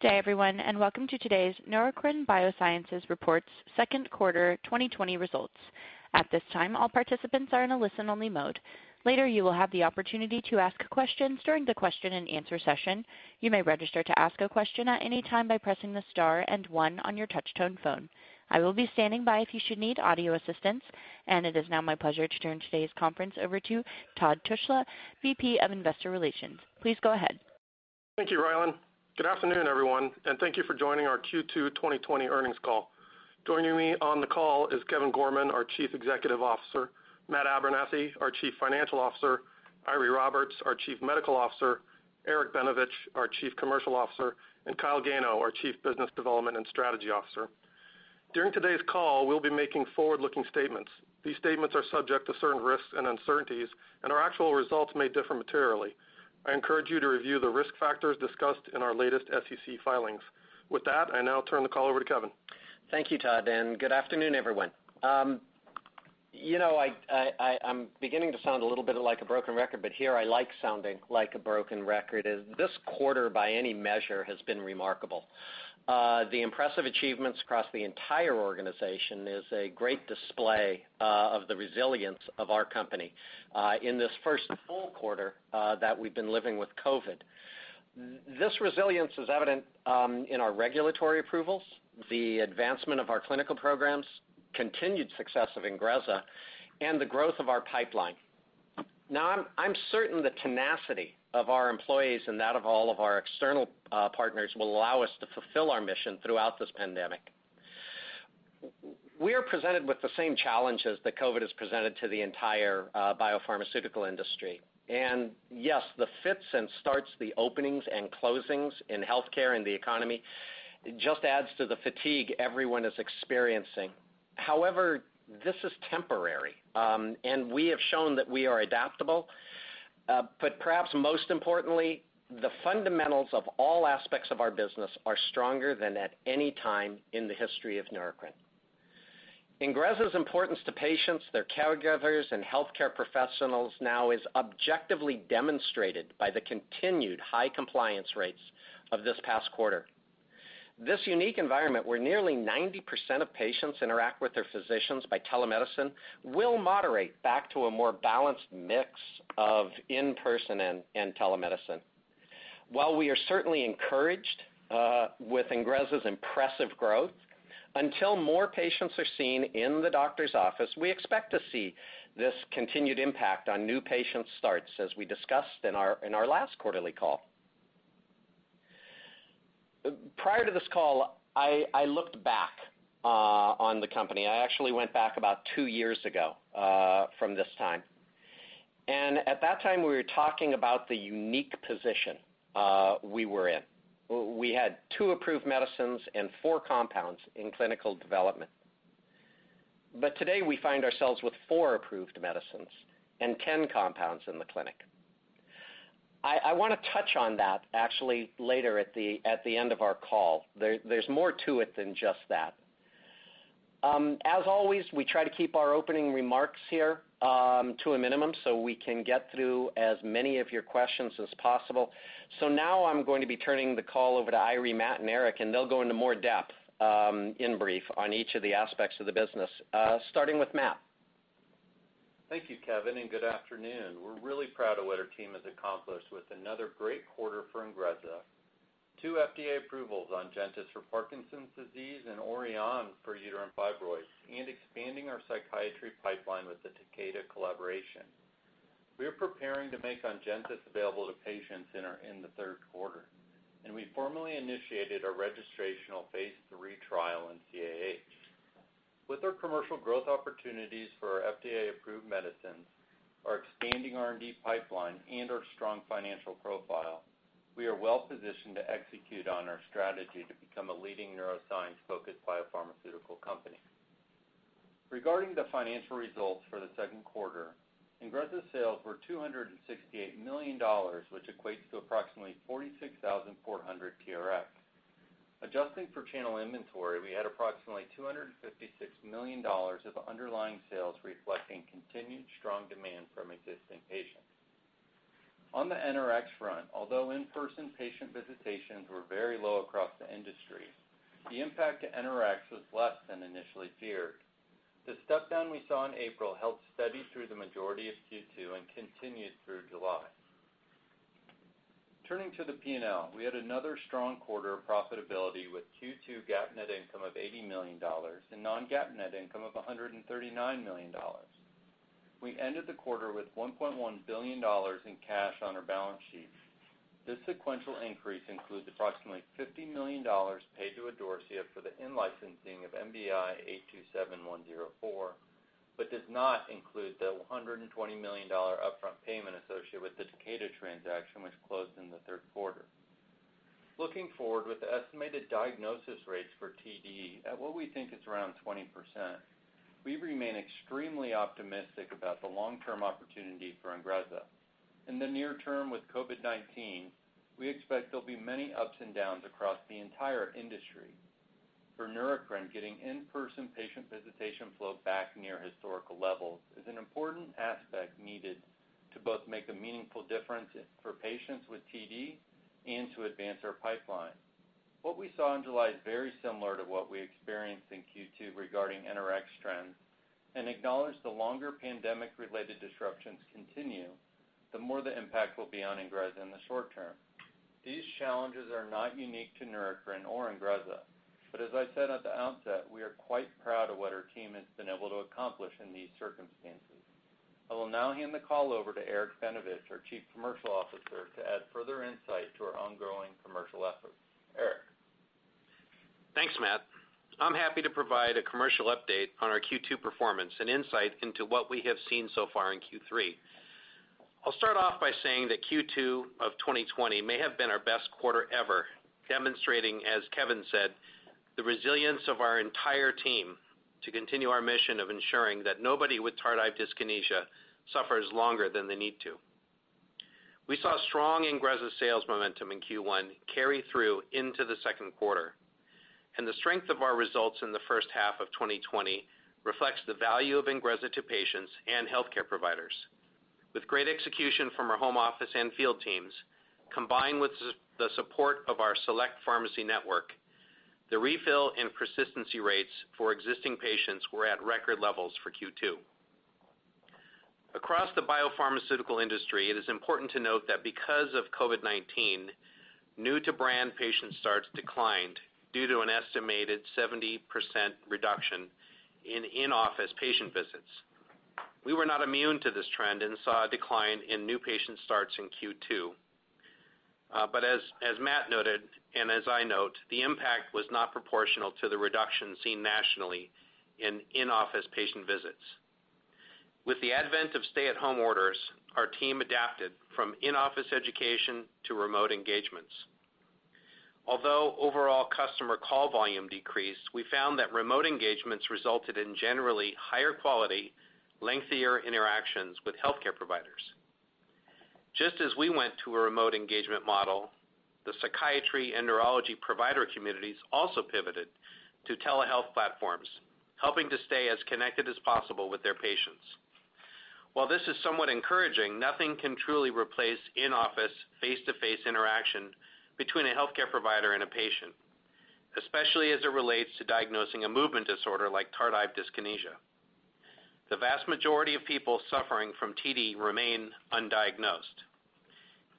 Good day, everyone, and welcome to today's Neurocrine Biosciences Reports Second Quarter 2020 Results. At this time, all participants are in a listen-only mode. Later, you will have the opportunity to ask questions during the question and answer session. You may register to ask a question at any time by pressing the star and one on your touch-tone phone. I will be standing by if you should need audio assistance. It is now my pleasure to turn today's conference over to Todd Tushla, VP of Investor Relations. Please go ahead. Thank you, Rylan. Good afternoon, everyone, and thank you for joining our Q2 2020 earnings call. Joining me on the call is Kevin Gorman, our Chief Executive Officer, Matt Abernethy, our Chief Financial Officer, Eiry Roberts, our Chief Medical Officer, Eric Benevich, our Chief Commercial Officer, and Kyle Gano, our Chief Business Development and Strategy Officer. During today's call, we'll be making forward-looking statements. These statements are subject to certain risks and uncertainties, and our actual results may differ materially. I encourage you to review the risk factors discussed in our latest SEC filings. With that, I now turn the call over to Kevin. Thank you, Todd. Good afternoon, everyone. I'm beginning to sound a little bit like a broken record, but here I like sounding like a broken record, as this quarter, by any measure, has been remarkable. The impressive achievements across the entire organization is a great display of the resilience of our company in this first full quarter that we've been living with COVID. This resilience is evident in our regulatory approvals, the advancement of our clinical programs, continued success of INGREZZA, and the growth of our pipeline. I'm certain the tenacity of our employees and that of all of our external partners will allow us to fulfill our mission throughout this pandemic. We are presented with the same challenges that COVID has presented to the entire biopharmaceutical industry. Yes, the fits and starts, the openings and closings in healthcare and the economy just adds to the fatigue everyone is experiencing. However, this is temporary. We have shown that we are adaptable. Perhaps most importantly, the fundamentals of all aspects of our business are stronger than at any time in the history of Neurocrine. INGREZZA's importance to patients, their caregivers, and healthcare professionals now is objectively demonstrated by the continued high compliance rates of this past quarter. This unique environment where nearly 90% of patients interact with their physicians by telemedicine will moderate back to a more balanced mix of in-person and telemedicine. While we are certainly encouraged with INGREZZA's impressive growth, until more patients are seen in the doctor's office, we expect to see this continued impact on new patient starts, as we discussed in our last quarterly call. Prior to this call, I looked back on the company. I actually went back about two years ago from this time. At that time, we were talking about the unique position we were in. We had two approved medicines and four compounds in clinical development. Today, we find ourselves with four approved medicines and 10 compounds in the clinic. I want to touch on that actually later at the end of our call. There's more to it than just that. As always, we try to keep our opening remarks here to a minimum so we can get through as many of your questions as possible. Now I'm going to be turning the call over to Eiry, Matt, and Eric, and they'll go into more depth in brief on each of the aspects of the business. Starting with Matt. Thank you, Kevin. Good afternoon. We're really proud of what our team has accomplished with another great quarter for INGREZZA. Two FDA approvals, ONGENTYS for Parkinson's disease and ORIAHNN for uterine fibroids, and expanding our psychiatry pipeline with the Takeda collaboration. We are preparing to make ONGENTYS available to patients in the third quarter, and we formally initiated our registrational phase III trial in CAH. With our commercial growth opportunities for our FDA-approved medicines, our expanding R&D pipeline, and our strong financial profile, we are well-positioned to execute on our strategy to become a leading neuroscience-focused biopharmaceutical company. Regarding the financial results for the second quarter, INGREZZA sales were $268 million, which equates to approximately 46,400 TRx. Adjusting for channel inventory, we had approximately $256 million of underlying sales reflecting continued strong demand from existing patients. On the NRx front, although in-person patient visitations were very low across the industry, the impact to NRx was less than initially feared. The step-down we saw in April held steady through the majority of Q2 and continued through July. Turning to the P&L, we had another strong quarter of profitability with Q2 GAAP net income of $80 million and non-GAAP net income of $139 million. We ended the quarter with $1.1 billion in cash on our balance sheet. This sequential increase includes approximately $50 million paid to Idorsia for the in-licensing of NBI-827104, but does not include the $120 million upfront payment associated with the Takeda transaction, which closed in the third quarter. Looking forward, with the estimated diagnosis rates for TD at what we think is around 20%, we remain extremely optimistic about the long-term opportunity for INGREZZA. In the near term with COVID-19, we expect there'll be many ups and downs across the entire industry. For Neurocrine, getting in-person patient visitation flow back near historical levels is an important aspect needed to both make a meaningful difference for patients with TD and to advance our pipeline. What we saw in July is very similar to what we experienced in Q2 regarding NRx trends, and acknowledge the longer pandemic-related disruptions continue, the more the impact will be on INGREZZA in the short term. These challenges are not unique to Neurocrine or INGREZZA, but as I said at the outset, we are quite proud of what our team has been able to accomplish in these circumstances. I will now hand the call over to Eric Benevich, our Chief Commercial Officer, to add further insight to our ongoing commercial efforts. Eric? Thanks, Matt. I'm happy to provide a commercial update on our Q2 performance and insight into what we have seen so far in Q3. I'll start off by saying that Q2 of 2020 may have been our best quarter ever, demonstrating, as Kevin said, the resilience of our entire team to continue our mission of ensuring that nobody with tardive dyskinesia suffers longer than they need to. We saw strong INGREZZA sales momentum in Q1 carry through into the second quarter, and the strength of our results in the first half of 2020 reflects the value of INGREZZA to patients and healthcare providers. With great execution from our home office and field teams, combined with the support of our select pharmacy network, the refill and persistency rates for existing patients were at record levels for Q2. Across the biopharmaceutical industry, it is important to note that because of COVID-19, new to brand patient starts declined due to an estimated 70% reduction in in-office patient visits. We were not immune to this trend and saw a decline in new patient starts in Q2. As Matt noted, and as I note, the impact was not proportional to the reduction seen nationally in in-office patient visits. With the advent of stay-at-home orders, our team adapted from in-office education to remote engagements. Although overall customer call volume decreased, we found that remote engagements resulted in generally higher quality, lengthier interactions with healthcare providers. Just as we went to a remote engagement model, the psychiatry and neurology provider communities also pivoted to telehealth platforms, helping to stay as connected as possible with their patients. While this is somewhat encouraging, nothing can truly replace in-office, face-to-face interaction between a healthcare provider and a patient, especially as it relates to diagnosing a movement disorder like tardive dyskinesia. The vast majority of people suffering from TD remain undiagnosed.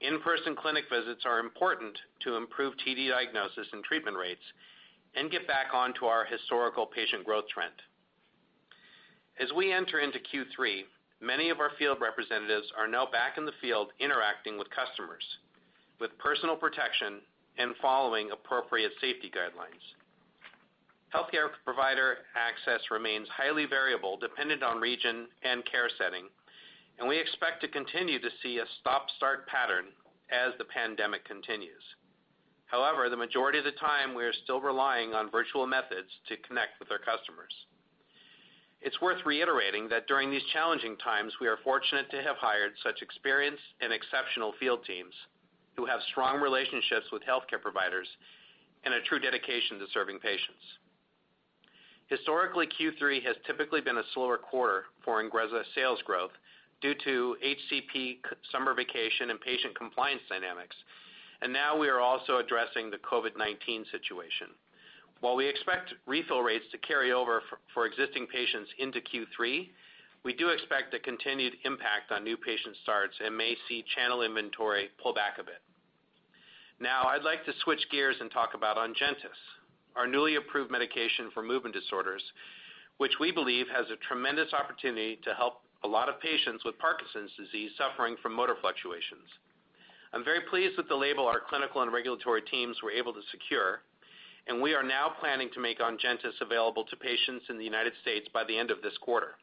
In-person clinic visits are important to improve TD diagnosis and treatment rates and get back onto our historical patient growth trend. As we enter into Q3, many of our field representatives are now back in the field interacting with customers with personal protection and following appropriate safety guidelines. Healthcare provider access remains highly variable dependent on region and care setting, and we expect to continue to see a stop-start pattern as the pandemic continues. However, the majority of the time, we are still relying on virtual methods to connect with our customers. It's worth reiterating that during these challenging times, we are fortunate to have hired such experienced and exceptional field teams who have strong relationships with healthcare providers and a true dedication to serving patients. Historically, Q3 has typically been a slower quarter for INGREZZA sales growth due to HCP summer vacation and patient compliance dynamics, and now we are also addressing the COVID-19 situation. While we expect refill rates to carry over for existing patients into Q3, we do expect a continued impact on new patient starts and may see channel inventory pull back a bit. Now, I'd like to switch gears and talk about ONGENTYS, our newly approved medication for movement disorders, which we believe has a tremendous opportunity to help a lot of patients with Parkinson's disease suffering from motor fluctuations. I'm very pleased with the label our clinical and regulatory teams were able to secure, and we are now planning to make ONGENTYS available to patients in the United States by the end of this quarter.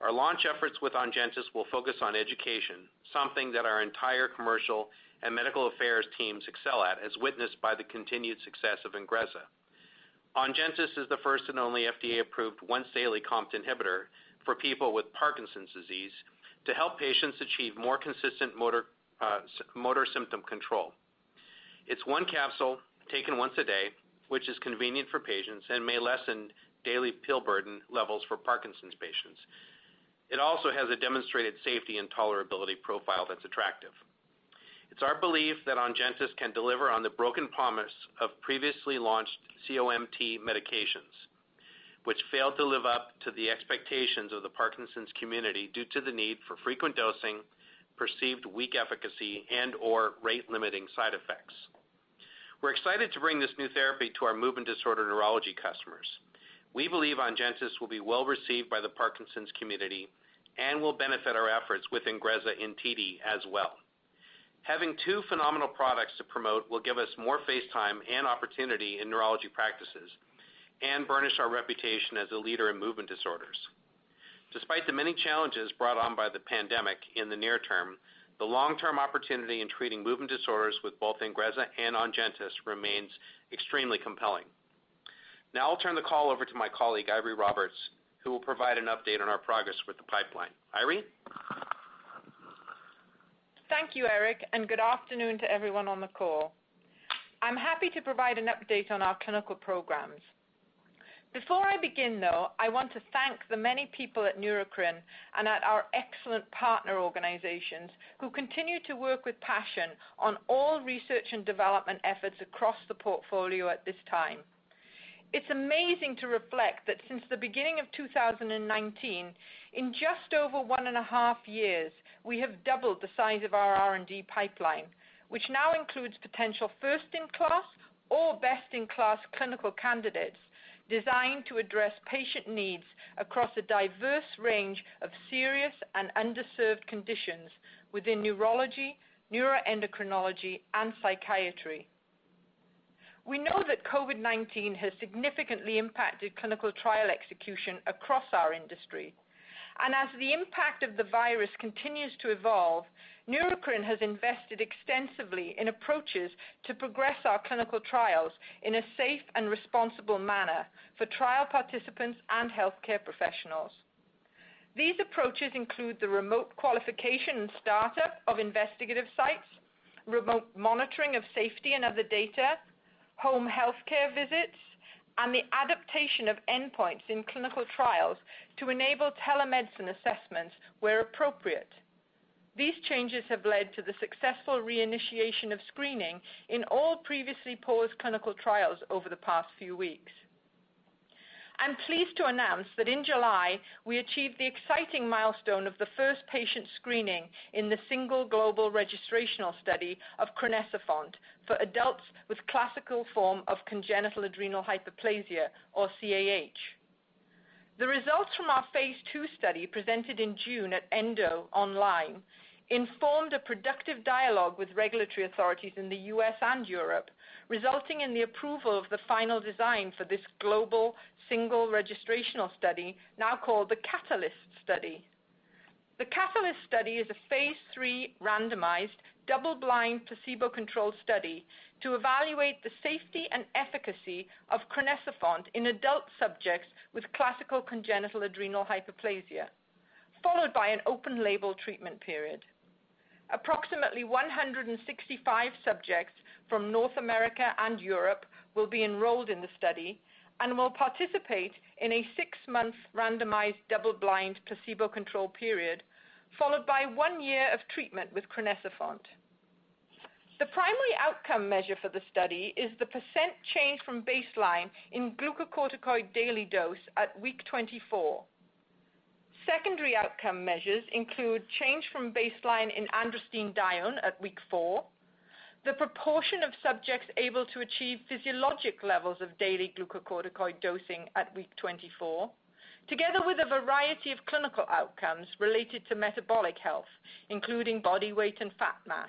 Our launch efforts with ONGENTYS will focus on education, something that our entire commercial and medical affairs teams excel at, as witnessed by the continued success of INGREZZA. ONGENTYS is the first and only FDA-approved once-daily COMT inhibitor for people with Parkinson's disease to help patients achieve more consistent motor symptom control. It's one capsule taken once a day, which is convenient for patients and may lessen daily pill burden levels for Parkinson's patients. It also has a demonstrated safety and tolerability profile that's attractive. It's our belief that ONGENTYS can deliver on the broken promise of previously launched COMT medications, which failed to live up to the expectations of the Parkinson's community due to the need for frequent dosing, perceived weak efficacy, and/or rate-limiting side effects. We're excited to bring this new therapy to our movement disorder neurology customers. We believe ONGENTYS will be well received by the Parkinson's community and will benefit our efforts with INGREZZA in TD as well. Having two phenomenal products to promote will give us more face time and opportunity in neurology practices and burnish our reputation as a leader in movement disorders. Despite the many challenges brought on by the pandemic in the near term, the long-term opportunity in treating movement disorders with both INGREZZA and ONGENTYS remains extremely compelling. Now I'll turn the call over to my colleague, Eiry Roberts, who will provide an update on our progress with the pipeline. Eiry? Thank you, Eric. Good afternoon to everyone on the call. I'm happy to provide an update on our clinical programs. Before I begin, though, I want to thank the many people at Neurocrine and at our excellent partner organizations who continue to work with passion on all research and development efforts across the portfolio at this time. It's amazing to reflect that since the beginning of 2019, in just over 1.5 years, we have doubled the size of our R&D pipeline. Which now includes potential first-in-class or best-in-class clinical candidates designed to address patient needs across a diverse range of serious and underserved conditions within neurology, neuroendocrinology, and psychiatry. We know that COVID-19 has significantly impacted clinical trial execution across our industry. As the impact of the virus continues to evolve, Neurocrine has invested extensively in approaches to progress our clinical trials in a safe and responsible manner for trial participants and healthcare professionals. These approaches include the remote qualification and startup of investigative sites, remote monitoring of safety and other data, home healthcare visits, and the adaptation of endpoints in clinical trials to enable telemedicine assessments where appropriate. These changes have led to the successful reinitiation of screening in all previously paused clinical trials over the past few weeks. I'm pleased to announce that in July, we achieved the exciting milestone of the first patient screening in the single global registrational study of crinecerfont for adults with classical form of congenital adrenal hyperplasia or CAH. The results from our phase II study presented in June at ENDO Online informed a productive dialogue with regulatory authorities in the U.S. and Europe, resulting in the approval of the final design for this global single registrational study, now called the CAHtalyst Study. The CAHtalyst Study is a phase III randomized, double-blind, placebo-controlled study to evaluate the safety and efficacy of crinecerfont in adult subjects with classical congenital adrenal hyperplasia, followed by an open label treatment period. Approximately 165 subjects from North America and Europe will be enrolled in the study and will participate in a six-month randomized, double-blind, placebo-controlled period, followed by one year of treatment with crinecerfont. The primary outcome measure for the study is the percent change from baseline in glucocorticoid daily dose at week 24. Secondary outcome measures include change from baseline in androstenedione at week four, the proportion of subjects able to achieve physiologic levels of daily glucocorticoid dosing at week 24, together with a variety of clinical outcomes related to metabolic health, including body weight and fat mass.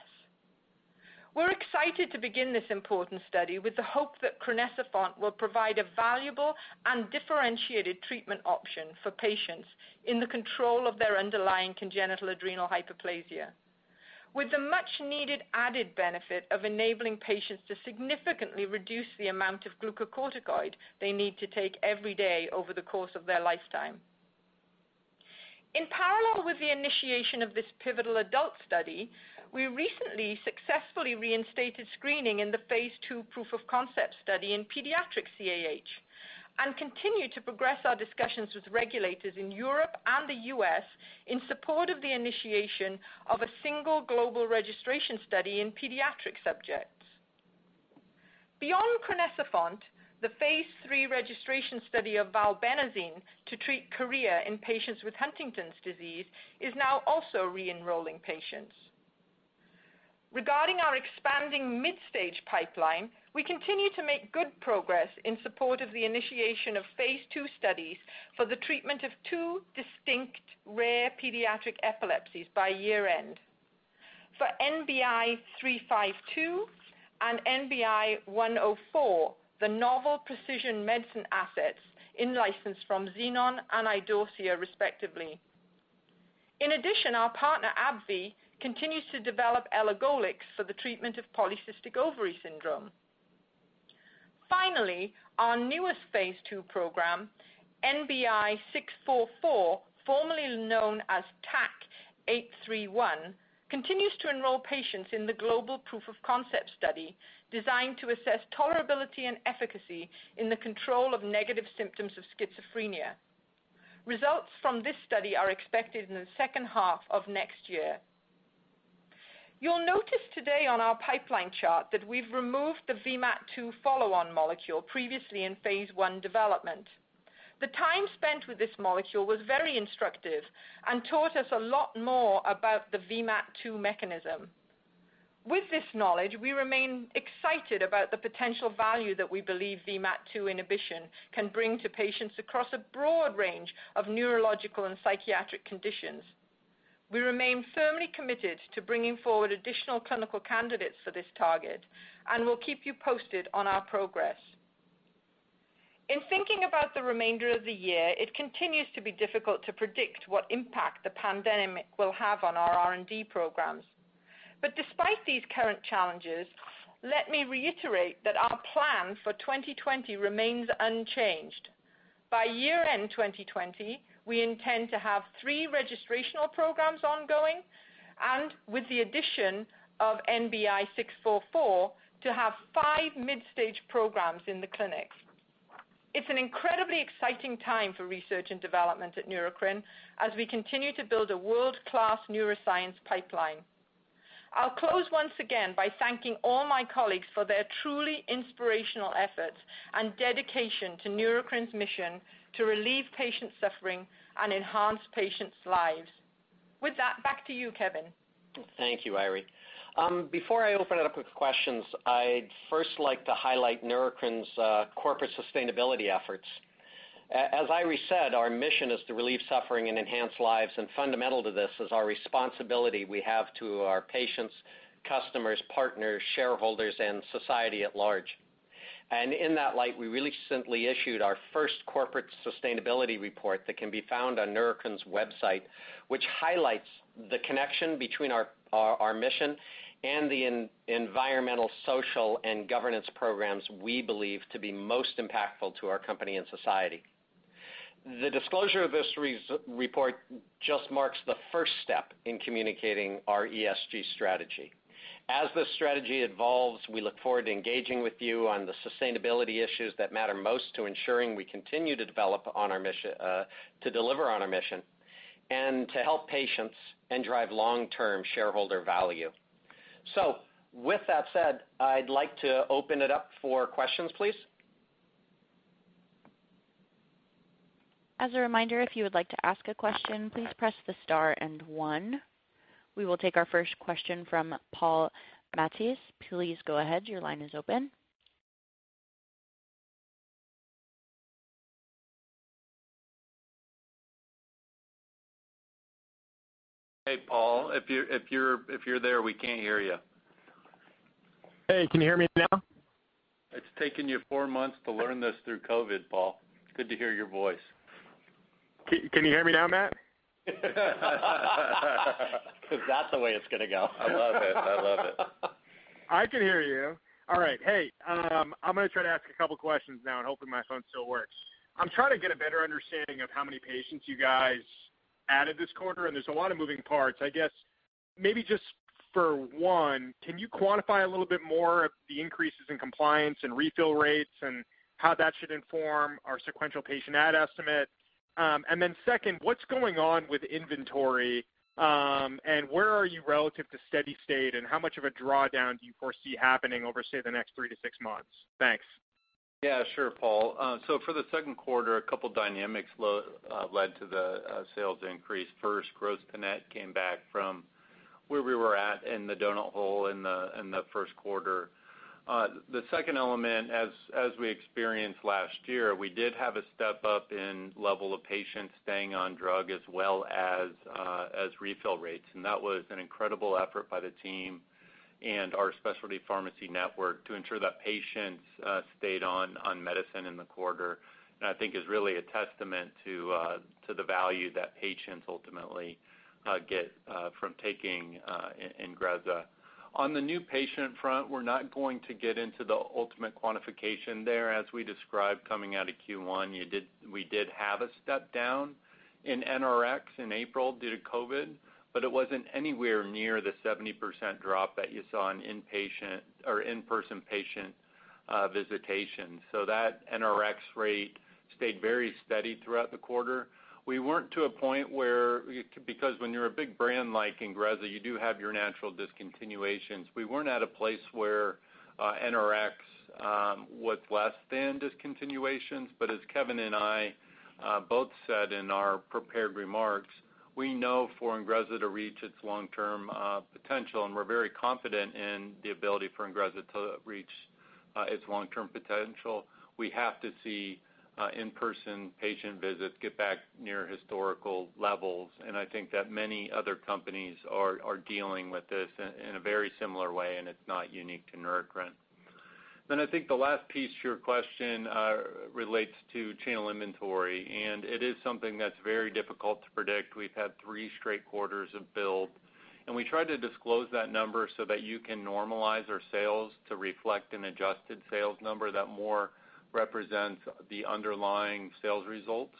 We're excited to begin this important study with the hope that crinecerfont will provide a valuable and differentiated treatment option for patients in the control of their underlying congenital adrenal hyperplasia. With the much needed added benefit of enabling patients to significantly reduce the amount of glucocorticoid they need to take every day over the course of their lifetime. In parallel with the initiation of this pivotal adult study, we recently successfully reinstated screening in the phase II proof of concept study in pediatric CAH and continue to progress our discussions with regulators in Europe and the U.S. in support of the initiation of a single global registration study in pediatric subjects. Beyond crinecerfont, the phase III registration study of valbenazine to treat chorea in patients with Huntington's disease is now also re-enrolling patients. Regarding our expanding midstage pipeline, we continue to make good progress in support of the initiation of phase II studies for the treatment of two distinct rare pediatric epilepsies by year end. For NBI-352 and NBI-104, the novel precision medicine assets in-licensed from Xenon and Idorsia, respectively. In addition, our partner, AbbVie, continues to develop elagolix for the treatment of polycystic ovary syndrome. Our newest phase II program, NBI-644, formerly known as TAK-831, continues to enroll patients in the global proof of concept study designed to assess tolerability and efficacy in the control of negative symptoms of schizophrenia. Results from this study are expected in the second half of next year. You'll notice today on our pipeline chart that we've removed the VMAT2 follow-on molecule previously in phase I development. The time spent with this molecule was very instructive and taught us a lot more about the VMAT2 mechanism. With this knowledge, we remain excited about the potential value that we believe VMAT2 inhibition can bring to patients across a broad range of neurological and psychiatric conditions. We remain firmly committed to bringing forward additional clinical candidates for this target and will keep you posted on our progress. In thinking about the remainder of the year, it continues to be difficult to predict what impact the pandemic will have on our R&D programs. Despite these current challenges, let me reiterate that our plan for 2020 remains unchanged. By year-end 2020, we intend to have three registrational programs ongoing, and with the addition of NBI-644, to have five mid-stage programs in the clinic. It's an incredibly exciting time for research and development at Neurocrine as we continue to build a world-class neuroscience pipeline. I'll close once again by thanking all my colleagues for their truly inspirational efforts and dedication to Neurocrine's mission to relieve patient suffering and enhance patients' lives. With that, back to you, Kevin. Thank you, Eiry. Before I open it up with questions, I'd first like to highlight Neurocrine's corporate sustainability efforts. As Eiry said, our mission is to relieve suffering and enhance lives, and fundamental to this is our responsibility we have to our patients, customers, partners, shareholders, and society at large. In that light, we recently issued our first corporate sustainability report that can be found on Neurocrine's website, which highlights the connection between our mission and the environmental, social, and governance programs we believe to be most impactful to our company and society. The disclosure of this report just marks the first step in communicating our ESG strategy. As this strategy evolves, we look forward to engaging with you on the sustainability issues that matter most to ensuring we continue to deliver on our mission and to help patients and drive long-term shareholder value. With that said, I'd like to open it up for questions, please. As a reminder, if you would like to ask a question, please press the star and one. We will take our first question from Paul Matteis. Please go ahead. Your line is open. Hey, Paul. If you're there, we can't hear you. Hey, can you hear me now? It's taken you four months to learn this through COVID, Paul. Good to hear your voice. Can you hear me now, Matt? That's the way it's going to go. I love it. I can hear you. All right. Hey, I'm going to try to ask a couple questions now and hoping my phone still works. I'm trying to get a better understanding of how many patients you guys added this quarter, and there's a lot of moving parts. I guess maybe just for one, can you quantify a little bit more of the increases in compliance and refill rates and how that should inform our sequential patient add estimate? Second, what's going on with inventory? Where are you relative to steady state? How much of a drawdown do you foresee happening over, say, the next three to six months? Thanks. Sure, Paul. For the second quarter, a couple dynamics led to the sales increase. First, gross-to-net came back from where we were at in the donut hole in the first quarter. The second element, as we experienced last year, we did have a step up in level of patients staying on drug as well as refill rates. That was an incredible effort by the team and our specialty pharmacy network to ensure that patients stayed on medicine in the quarter. I think is really a testament to the value that patients ultimately get from taking INGREZZA. On the new patient front, we're not going to get into the ultimate quantification there. As we described coming out of Q1, we did have a step down in NRx in April due to COVID, but it wasn't anywhere near the 70% drop that you saw in in-person patient visitation, so that NRx rate stayed very steady throughout the quarter. We weren't to a point where, because when you're a big brand like INGREZZA, you do have your natural discontinuations. We weren't at a place where NRx was less than discontinuations. As Kevin and I both said in our prepared remarks, we know for INGREZZA to reach its long-term potential, and we're very confident in the ability for INGREZZA to reach its long-term potential. We have to see in-person patient visits get back near historical levels, and I think that many other companies are dealing with this in a very similar way, and it's not unique to Neurocrine. I think the last piece to your question relates to channel inventory, and it is something that's very difficult to predict. We've had three straight quarters of build, and we try to disclose that number so that you can normalize our sales to reflect an adjusted sales number that more represents the underlying sales results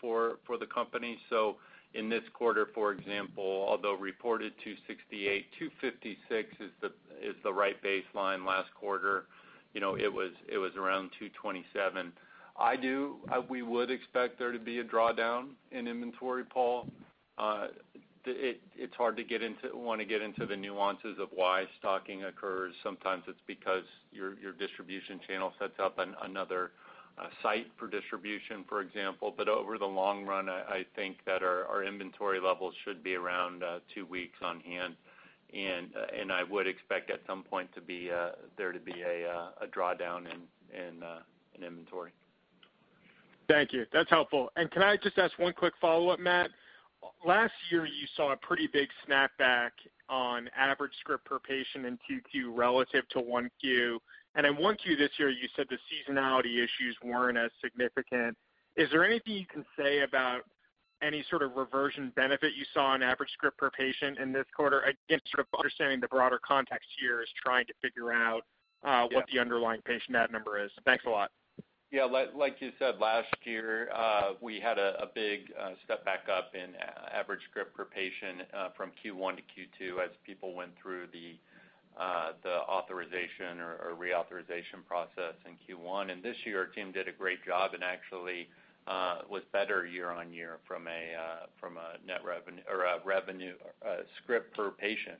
for the company. In this quarter, for example, although reported $268 million, $256 million is the right baseline. Last quarter it was around $227 million. We would expect there to be a drawdown in inventory, Paul. It's hard to want to get into the nuances of why stocking occurs. Sometimes it's because your distribution channel sets up another site for distribution, for example. Over the long run, I think that our inventory levels should be around two weeks on hand, and I would expect at some point there to be a drawdown in inventory. Thank you. That's helpful. Can I just ask one quick follow-up, Matt? Last year, you saw a pretty big snapback on average script per patient in Q2 relative to 1Q. In 1Q this year, you said the seasonality issues weren't as significant. Is there anything you can say about any sort of reversion benefit you saw on average script per patient in this quarter? Again, sort of understanding the broader context here is trying to figure out what the underlying patient net number is. Thanks a lot. Yeah. Like you said, last year, we had a big step back up in average script per patient from Q1 to Q2 as people went through the authorization or reauthorization process in Q1. This year, our team did a great job and actually was better year-on-year from a net revenue or a revenue script per patient.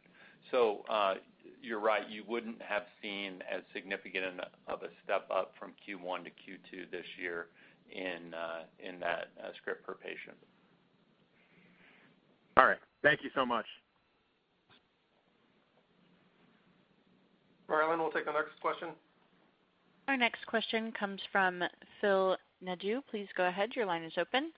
You're right, you wouldn't have seen as significant of a step up from Q1 to Q2 this year in that script per patient. All right. Thank you so much. Rylan, we'll take the next question. Our next question comes from Phil Nadeau. Please go ahead. Your line is open.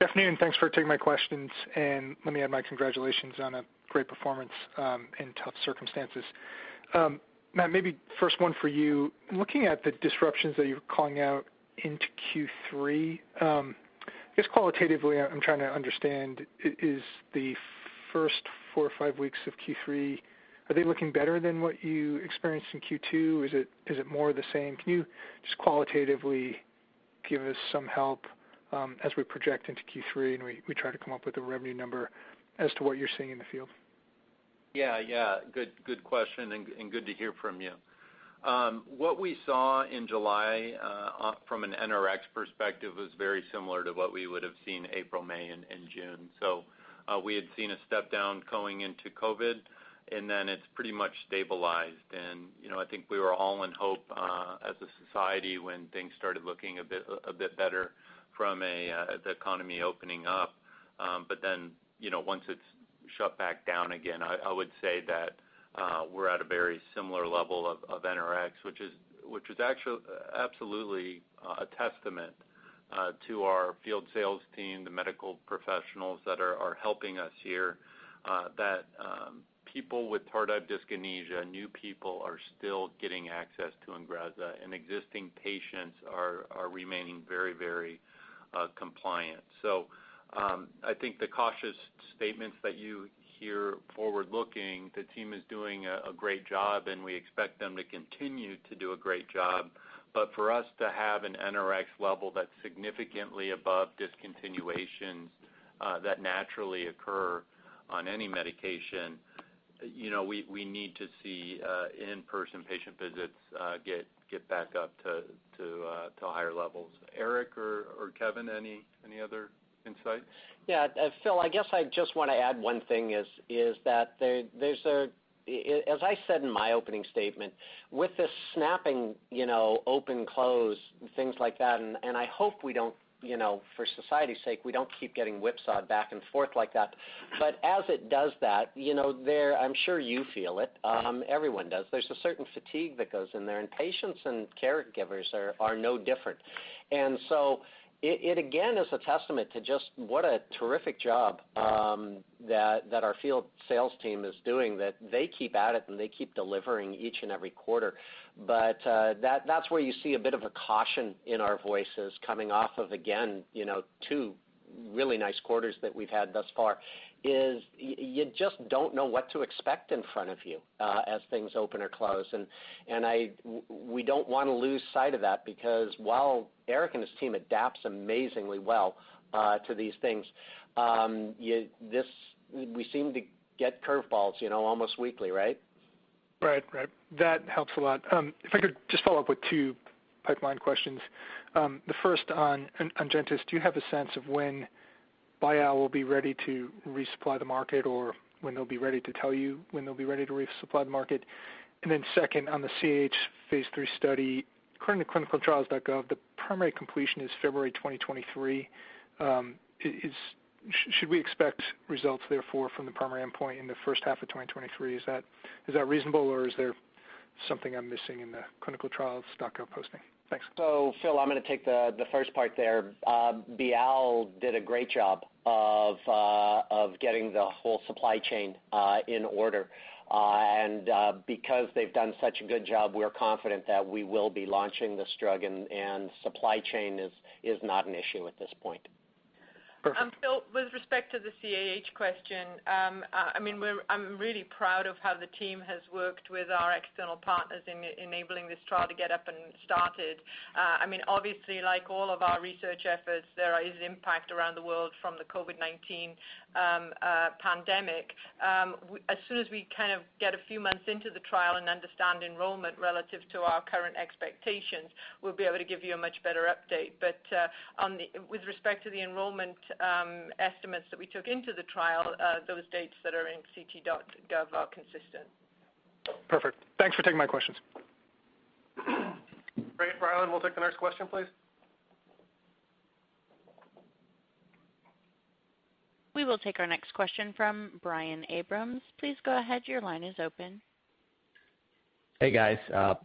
Good afternoon, thanks for taking my questions, and let me add my congratulations on a great performance in tough circumstances. Matt, maybe first one for you. Looking at the disruptions that you're calling out into Q3, I guess qualitatively, I'm trying to understand, is the first four or five weeks of Q3, are they looking better than what you experienced in Q2? Is it more the same? Can you just qualitatively give us some help, as we project into Q3 and we try to come up with a revenue number as to what you're seeing in the field? Yeah. Good question and good to hear from you. What we saw in July, from an NRx perspective, was very similar to what we would have seen April, May, and June. We had seen a step down going into COVID, and then it's pretty much stabilized. I think we were all in hope, as a society when things started looking a bit better from the economy opening up. Once it shut back down again, I would say that we're at a very similar level of NRx, which is absolutely a testament to our field sales team, the medical professionals that are helping us here, that people with tardive dyskinesia, new people are still getting access to INGREZZA, and existing patients are remaining very compliant. I think the cautious statements that you hear forward-looking, the team is doing a great job, and we expect them to continue to do a great job. For us to have an NRx level that's significantly above discontinuations that naturally occur on any medication, we need to see in-person patient visits get back up to higher levels. Eric or Kevin, any other insights? Yeah, Phil, I guess I just want to add one thing is that as I said in my opening statement, with this snapping open/close, things like that, and I hope for society's sake, we don't keep getting whipsawed back and forth like that. As it does that, I'm sure you feel it. Everyone does. There's a certain fatigue that goes in there, and patients and caregivers are no different. It again is a testament to just what a terrific job that our field sales team is doing, that they keep at it and they keep delivering each and every quarter. That's where you see a bit of a caution in our voices coming off of, again, two really nice quarters that we've had thus far is you just don't know what to expect in front of you as things open or close. We don't want to lose sight of that because while Eric and his team adapts amazingly well to these things, we seem to get curve balls almost weekly, right? Right. That helps a lot. If I could just follow up with two pipeline questions. The first on ONGENTYS, do you have a sense of when BIAL will be ready to resupply the market or when they'll be ready to tell you when they'll be ready to resupply the market? Second, on the CAH phase III study, according to clinicaltrials.gov, the primary completion is February 2023. Should we expect results therefore from the primary endpoint in the first half of 2023? Is that reasonable, or is there something I'm missing in the clinicaltrials.gov posting? Thanks. Phil, I'm going to take the first part there. BIAL did a great job of getting the whole supply chain in order. Because they've done such a good job, we're confident that we will be launching this drug, and supply chain is not an issue at this point. Perfect. Phil, with respect to the CAH question, I'm really proud of how the team has worked with our external partners in enabling this trial to get up and started. Obviously, like all of our research efforts, there is impact around the world from the COVID-19 pandemic. As soon as we kind of get a few months into the trial and understand enrollment relative to our current expectations, we'll be able to give you a much better update. With respect to the enrollment estimates that we took into the trial, those dates that are in ct.gov are consistent. Perfect. Thanks for taking my questions. Great. Rylan, we'll take the next question, please. We will take our next question from Brian Abrahams. Please go ahead. Your line is open. Hey, guys.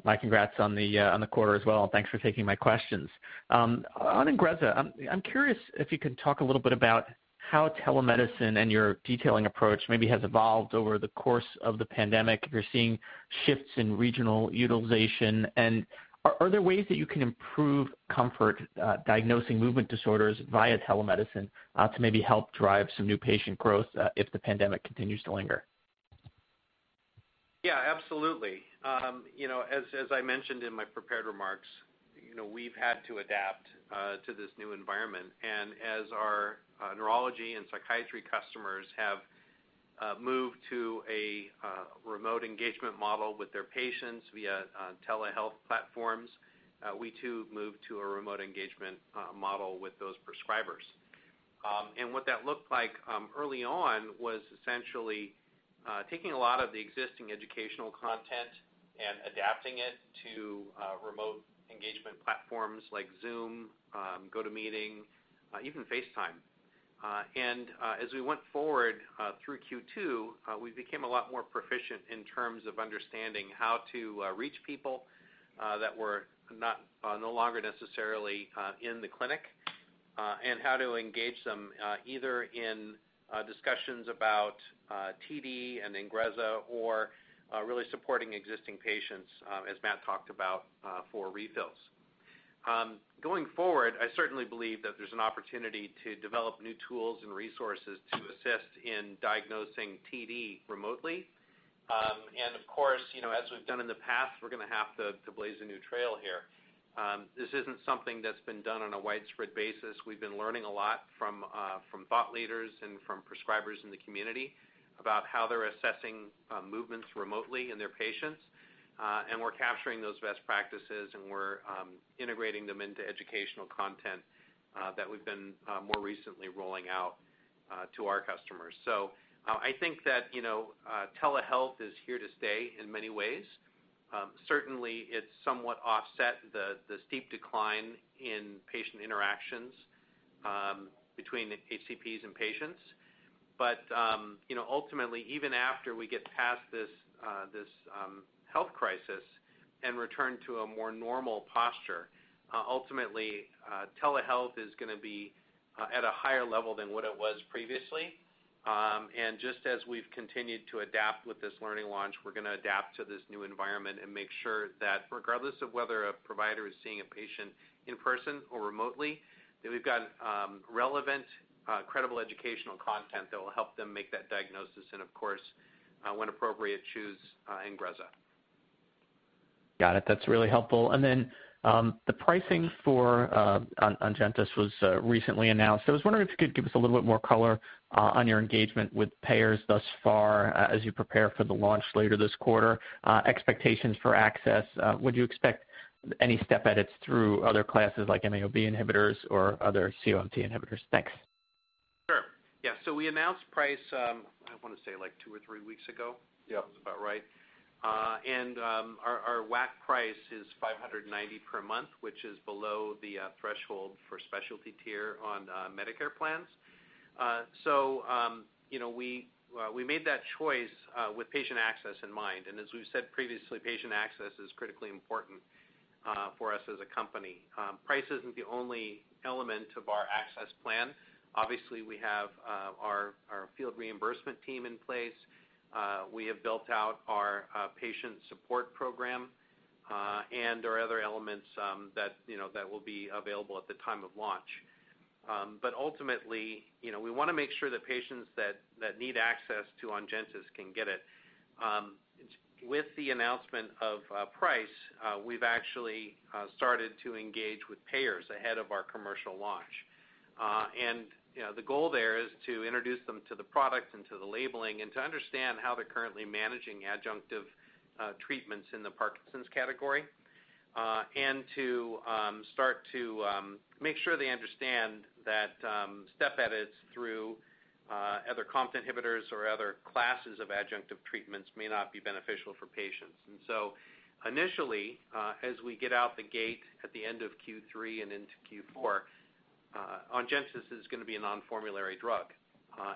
My congrats on the quarter as well, and thanks for taking my questions. On INGREZZA, I'm curious if you could talk a little bit about how telemedicine and your detailing approach maybe has evolved over the course of the pandemic. If you're seeing shifts in regional utilization, are there ways that you can improve comfort diagnosing movement disorders via telemedicine to maybe help drive some new patient growth if the pandemic continues to linger? Yeah, absolutely. As I mentioned in my prepared remarks, we've had to adapt to this new environment, and as our neurology and psychiatry customers have moved to a remote engagement model with their patients via telehealth platforms, we too moved to a remote engagement model with those prescribers. What that looked like early on was essentially taking a lot of the existing educational content and adapting it to remote engagement platforms like Zoom, GoToMeeting, even FaceTime. As we went forward through Q2, we became a lot more proficient in terms of understanding how to reach people that were no longer necessarily in the clinic, and how to engage them either in discussions about TD and INGREZZA or really supporting existing patients as Matt talked about for refills. Going forward, I certainly believe that there's an opportunity to develop new tools and resources to assist in diagnosing TD remotely. Of course, as we've done in the past, we're going to have to blaze a new trail here. This isn't something that's been done on a widespread basis. We've been learning a lot from thought leaders and from prescribers in the community about how they're assessing movements remotely in their patients. We're capturing those best practices and we're integrating them into educational content that we've been more recently rolling out to our customers. I think that telehealth is here to stay in many ways. Certainly it somewhat offset the steep decline in patient interactions between the HCPs and patients. Ultimately, even after we get past this health crisis and return to a more normal posture, ultimately, telehealth is going to be at a higher level than what it was previously. Just as we've continued to adapt with this learning launch, we're going to adapt to this new environment and make sure that regardless of whether a provider is seeing a patient in person or remotely, that we've got relevant, credible educational content that will help them make that diagnosis and, of course, when appropriate, choose INGREZZA. Got it. That's really helpful. The pricing for ONGENTYS was recently announced. I was wondering if you could give us a little bit more color on your engagement with payers thus far as you prepare for the launch later this quarter. Expectations for access, would you expect any step edits through other classes like MAO-B inhibitors or other COMT inhibitors? Thanks. Sure. Yeah. We announced price, I want to say two or three weeks ago. Yep. That's about right. Our WAC price is $590 per month, which is below the threshold for specialty tier on Medicare plans. We made that choice with patient access in mind. As we've said previously, patient access is critically important for us as a company. Price isn't the only element of our access plan. Obviously, we have our field reimbursement team in place. We have built out our patient support program, and there are other elements that will be available at the time of launch. Ultimately, we want to make sure that patients that need access to ONGENTYS can get it. With the announcement of price, we've actually started to engage with payers ahead of our commercial launch. The goal there is to introduce them to the product and to the labeling and to understand how they're currently managing adjunctive treatments in the Parkinson's category, and to start to make sure they understand that step edits through other COMT inhibitors or other classes of adjunctive treatments may not be beneficial for patients. Initially, as we get out the gate at the end of Q3 and into Q4, ONGENTYS is going to be a non-formulary drug.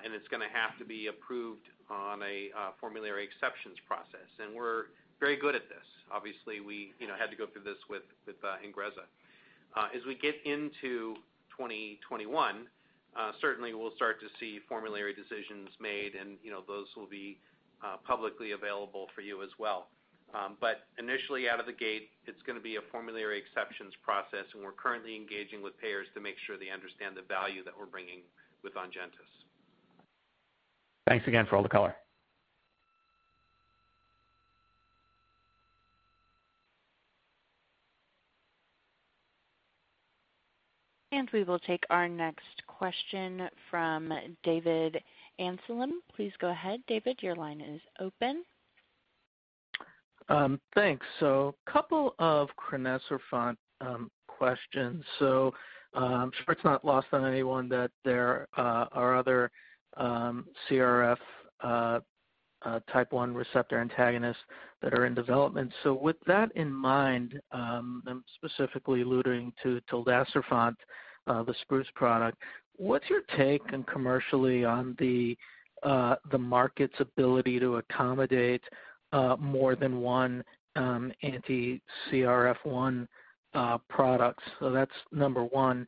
It's going to have to be approved on a formulary exceptions process. We're very good at this. Obviously, we had to go through this with INGREZZA. As we get into 2021, certainly we'll start to see formulary decisions made and those will be publicly available for you as well. Initially out of the gate, it's going to be a formulary exceptions process, and we're currently engaging with payers to make sure they understand the value that we're bringing with ONGENTYS. Thanks again for all the color. We will take our next question from David Amsellem. Please go ahead, David. Your line is open. Thanks. Couple of crinecerfont questions. I'm sure it's not lost on anyone that there are other CRF Type 1 receptor antagonists that are in development. With that in mind, I'm specifically alluding to tildacerfont, the Spruce product. What's your take and commercially on the market's ability to accommodate more than one anti-CRF1 product? That's number one.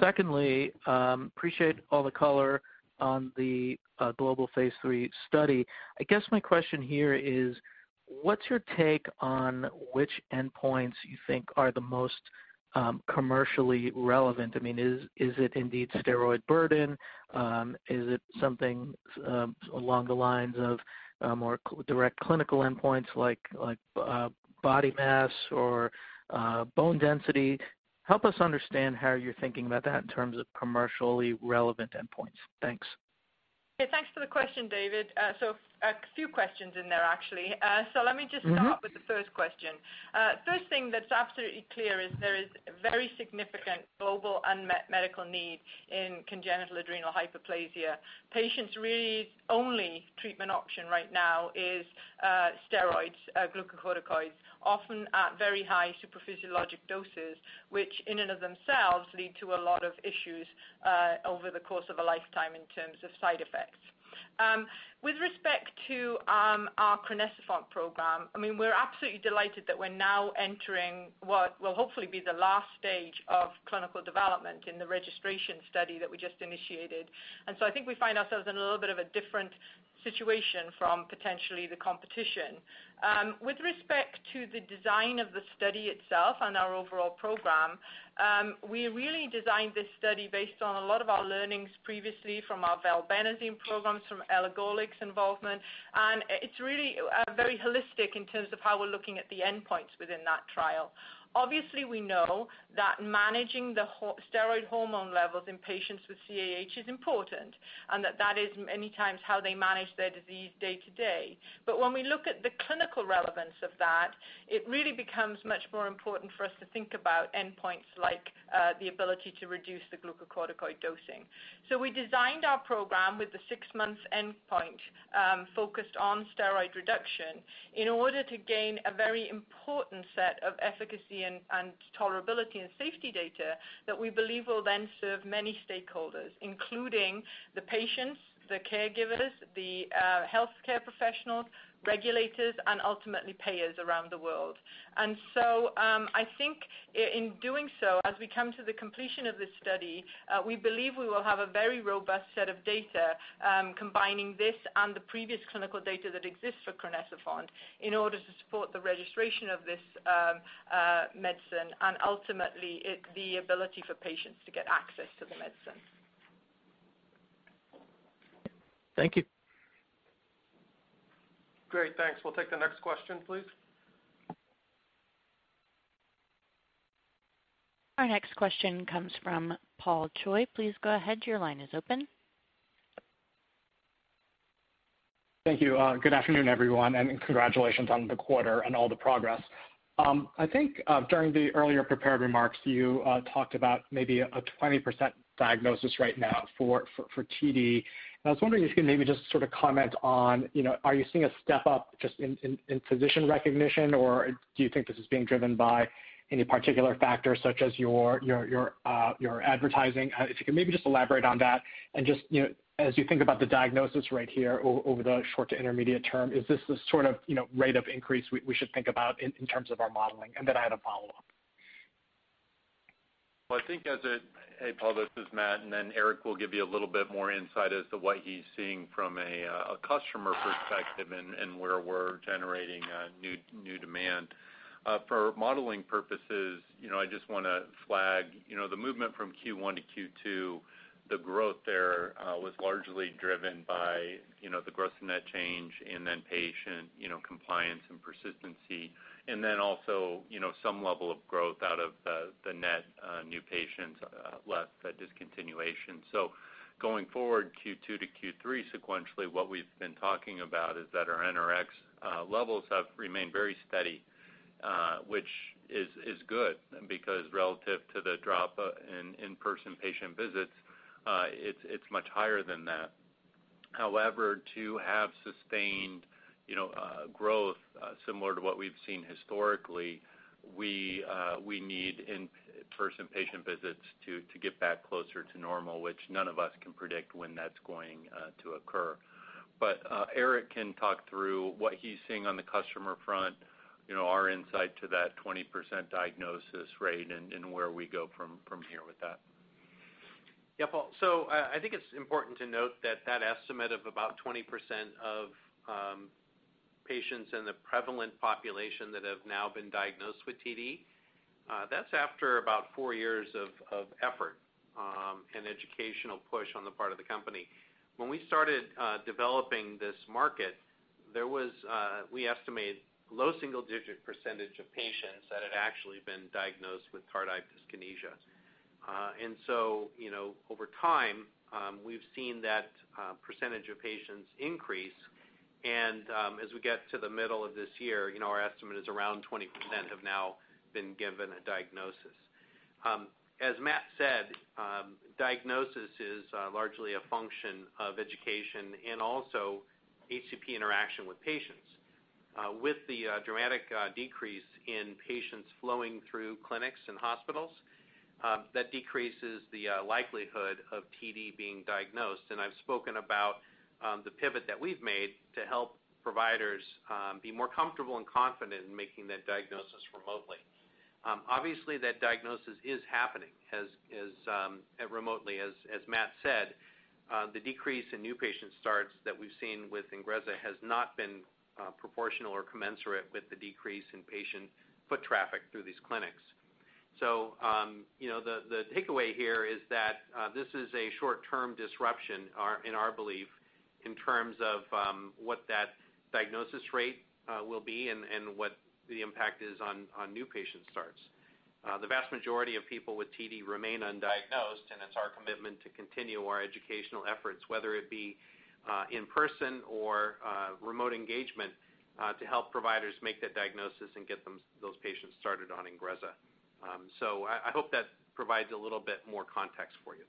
Secondly, appreciate all the color on the global phase III study. I guess my question here is what's your take on which endpoints you think are the most commercially relevant? Is it indeed steroid burden? Is it something along the lines of more direct clinical endpoints like body mass or bone density? Help us understand how you're thinking about that in terms of commercially relevant endpoints. Thanks. Okay. Thanks for the question, David. A few questions in there actually. Let me just start with the first question. First thing that's absolutely clear is there is a very significant global unmet medical need in congenital adrenal hyperplasia. Patients' really only treatment option right now is steroids, glucocorticoids, often at very high supraphysiologic doses, which in and of themselves lead to a lot of issues over the course of a lifetime in terms of side effects. With respect to our crinecerfont program, we're absolutely delighted that we're now entering what will hopefully be the last stage of clinical development in the registration study that we just initiated. I think we find ourselves in a little bit of a different situation from potentially the competition. With respect to the design of the study itself and our overall program, we really designed this study based on a lot of our learnings previously from our valbenazine programs, from elagolix involvement, and it's really very holistic in terms of how we're looking at the endpoints within that trial. Obviously, we know that managing the steroid hormone levels in patients with CAH is important, and that is many times how they manage their disease day to day. When we look at the clinical relevance of that, it really becomes much more important for us to think about endpoints like the ability to reduce the glucocorticoid dosing. We designed our program with the six-month endpoint, focused on steroid reduction in order to gain a very important set of efficacy and tolerability and safety data that we believe will then serve many stakeholders, including the patients, the caregivers, the healthcare professionals, regulators, and ultimately payers around the world. I think in doing so, as we come to the completion of this study, we believe we will have a very robust set of data combining this and the previous clinical data that exists for crinecerfont in order to support the registration of this medicine and ultimately the ability for patients to get access to the medicine. Thank you. Great. Thanks. We'll take the next question, please. Our next question comes from Paul Choi. Please go ahead. Your line is open. Thank you. Good afternoon, everyone, and congratulations on the quarter and all the progress. I think during the earlier prepared remarks, you talked about maybe a 20% diagnosis right now for TD. I was wondering if you could maybe just sort of comment on, are you seeing a step up just in physician recognition, or do you think this is being driven by any particular factor, such as your advertising? If you could maybe just elaborate on that and just as you think about the diagnosis rate here over the short to intermediate term, is this the sort of rate of increase we should think about in terms of our modeling? Then I had a follow-up. Well, I think Hey, Paul, this is Matt, and then Eric will give you a little bit more insight as to what he's seeing from a customer perspective and where we're generating new demand. For modeling purposes, I just want to flag the movement from Q1 to Q2. The growth there was largely driven by the gross net change and then patient compliance and persistency, and then also some level of growth out of the net new patients, less the discontinuation. Going forward, Q2 to Q3 sequentially, what we've been talking about is that our NRx levels have remained very steady, which is good because relative to the drop in in-person patient visits, it's much higher than that. However, to have sustained growth similar to what we've seen historically, we need in-person patient visits to get back closer to normal, which none of us can predict when that's going to occur. Eric can talk through what he's seeing on the customer front, our insight to that 20% diagnosis rate and where we go from here with that. Yeah, Paul. I think it's important to note that that estimate of about 20% of patients in the prevalent population that have now been diagnosed with TD, that's after about four years of effort, an educational push on the part of the company. When we started developing this market, there was, we estimate, low single-digit percentage of patients that had actually been diagnosed with tardive dyskinesia. Over time, we've seen that percentage of patients increase, and as we get to the middle of this year, our estimate is around 20% have now been given a diagnosis. As Matt said, diagnosis is largely a function of education and also HCP interaction with patients. With the dramatic decrease in patients flowing through clinics and hospitals, that decreases the likelihood of TD being diagnosed. I've spoken about the pivot that we've made to help providers be more comfortable and confident in making that diagnosis remotely. Obviously, that diagnosis is happening remotely. As Matt said, the decrease in new patient starts that we've seen with INGREZZA has not been proportional or commensurate with the decrease in patient foot traffic through these clinics. The takeaway here is that this is a short-term disruption, in our belief, in terms of what that diagnosis rate will be and what the impact is on new patient starts. The vast majority of people with TD remain undiagnosed, and it's our commitment to continue our educational efforts, whether it be in person or remote engagement, to help providers make that diagnosis and get those patients started on INGREZZA. I hope that provides a little bit more context for you.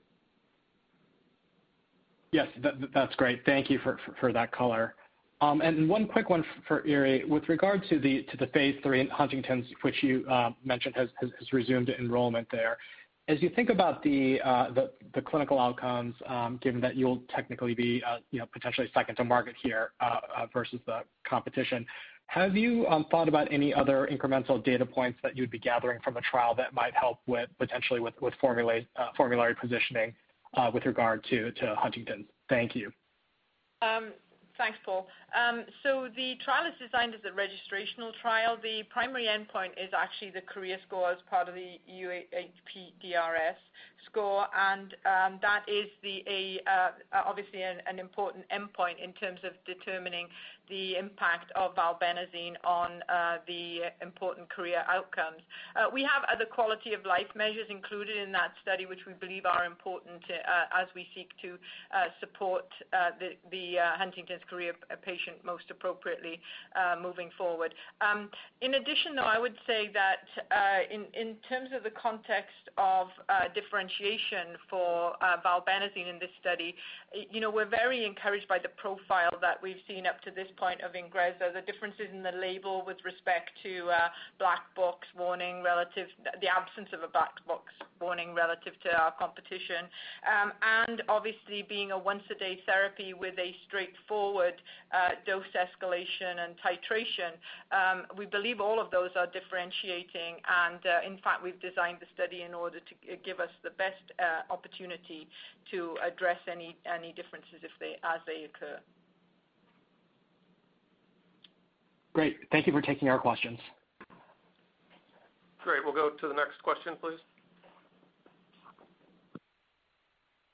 Yes, that's great. Thank you for that color. One quick one for Eiry. With regard to the phase III in Huntington's disease, which you mentioned has resumed enrollment there. As you think about the clinical outcomes, given that you'll technically be potentially second to market here versus the competition, have you thought about any other incremental data points that you'd be gathering from a trial that might help potentially with formulary positioning with regard to Huntington's? Thank you. Thanks, Paul. The trial is designed as a registrational trial. The primary endpoint is actually the chorea score as part of the UHDRS score. That is obviously an important endpoint in terms of determining the impact of valbenazine on the important chorea outcomes. We have other quality-of-life measures included in that study, which we believe are important as we seek to support the Huntington's chorea patient most appropriately moving forward. In addition, though, I would say that in terms of the context of differentiation for valbenazine in this study, we're very encouraged by the profile that we've seen up to this point of INGREZZA. The differences in the label with respect to black box warning, the absence of a black box warning relative to our competition. Obviously being a once-a-day therapy with a straightforward dose escalation and titration, we believe all of those are differentiating. In fact, we've designed the study in order to give us the best opportunity to address any differences as they occur. Great. Thank you for taking our questions. Great. We'll go to the next question, please.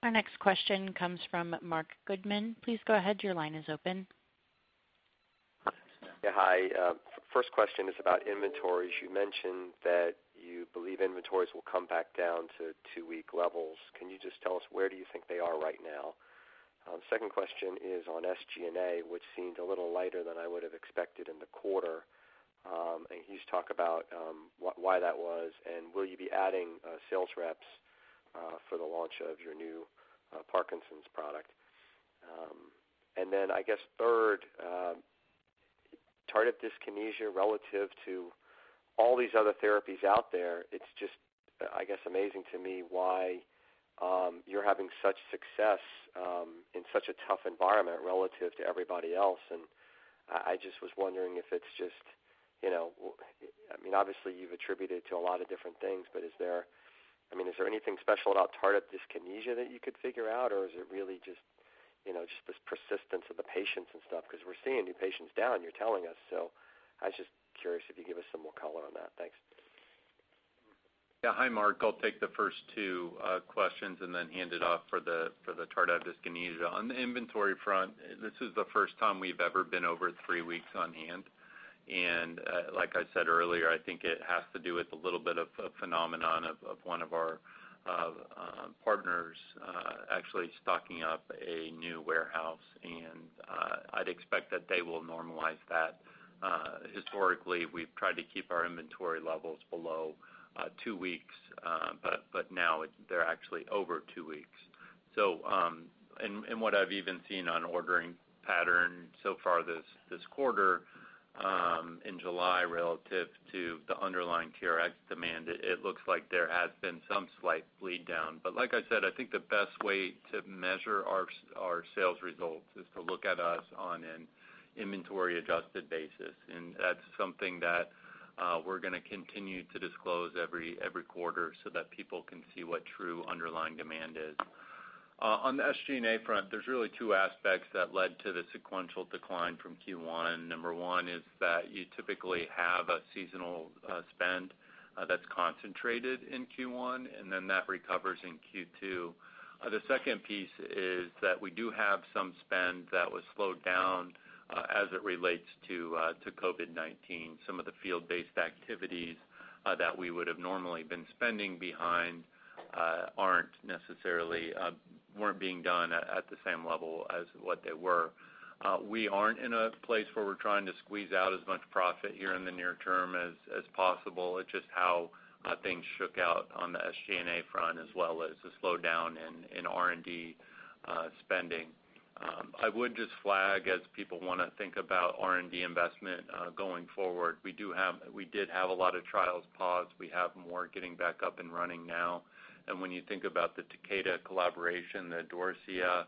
Our next question comes from Marc Goodman. Please go ahead. Your line is open. Yeah. Hi. First question is about inventories. You mentioned that you believe inventories will come back down to two-week levels. Can you just tell us where do you think they are right now? Second question is on SG&A, which seemed a little lighter than I would have expected in the quarter. Can you talk about why that was, and will you be adding sales reps for the launch of your new Parkinson's product? Then I guess third, tardive dyskinesia relative to all these other therapies out there, it's just I guess amazing to me why you're having such success in such a tough environment relative to everybody else. I just was wondering if obviously, you've attributed it to a lot of different things, but is there anything special about tardive dyskinesia that you could figure out, or is it really just this persistence of the patients and stuff? We're seeing new patients down, you're telling us. I was just curious if you'd give us some more color on that. Thanks. Yeah. Hi, Marc. I'll take the first two questions and then hand it off for the tardive dyskinesia. On the inventory front, this is the first time we've ever been over three weeks on hand. Like I said earlier, I think it has to do with a little bit of a phenomenon of one of our partners actually stocking up a new warehouse. I'd expect that they will normalize that. Historically, we've tried to keep our inventory levels below two weeks. Now they're actually over two weeks. What I've even seen on ordering pattern so far this quarter in July relative to the underlying TRx demand, it looks like there has been some slight bleed down. Like I said, I think the best way to measure our sales results is to look at us on an inventory-adjusted basis. That's something that we're going to continue to disclose every quarter so that people can see what true underlying demand is. On the SG&A front, there's really two aspects that led to the sequential decline from Q1. Number one is that you typically have a seasonal spend that's concentrated in Q1, and then that recovers in Q2. The second piece is that we do have some spend that was slowed down as it relates to COVID-19. Some of the field-based activities that we would have normally been spending behind aren't necessarily, weren't being done at the same level as what they were. We aren't in a place where we're trying to squeeze out as much profit here in the near term as possible. It's just how things shook out on the SG&A front, as well as the slowdown in R&D spending. I would just flag, as people want to think about R&D investment going forward, we did have a lot of trials paused. We have more getting back up and running now. When you think about the Takeda collaboration, the Idorsia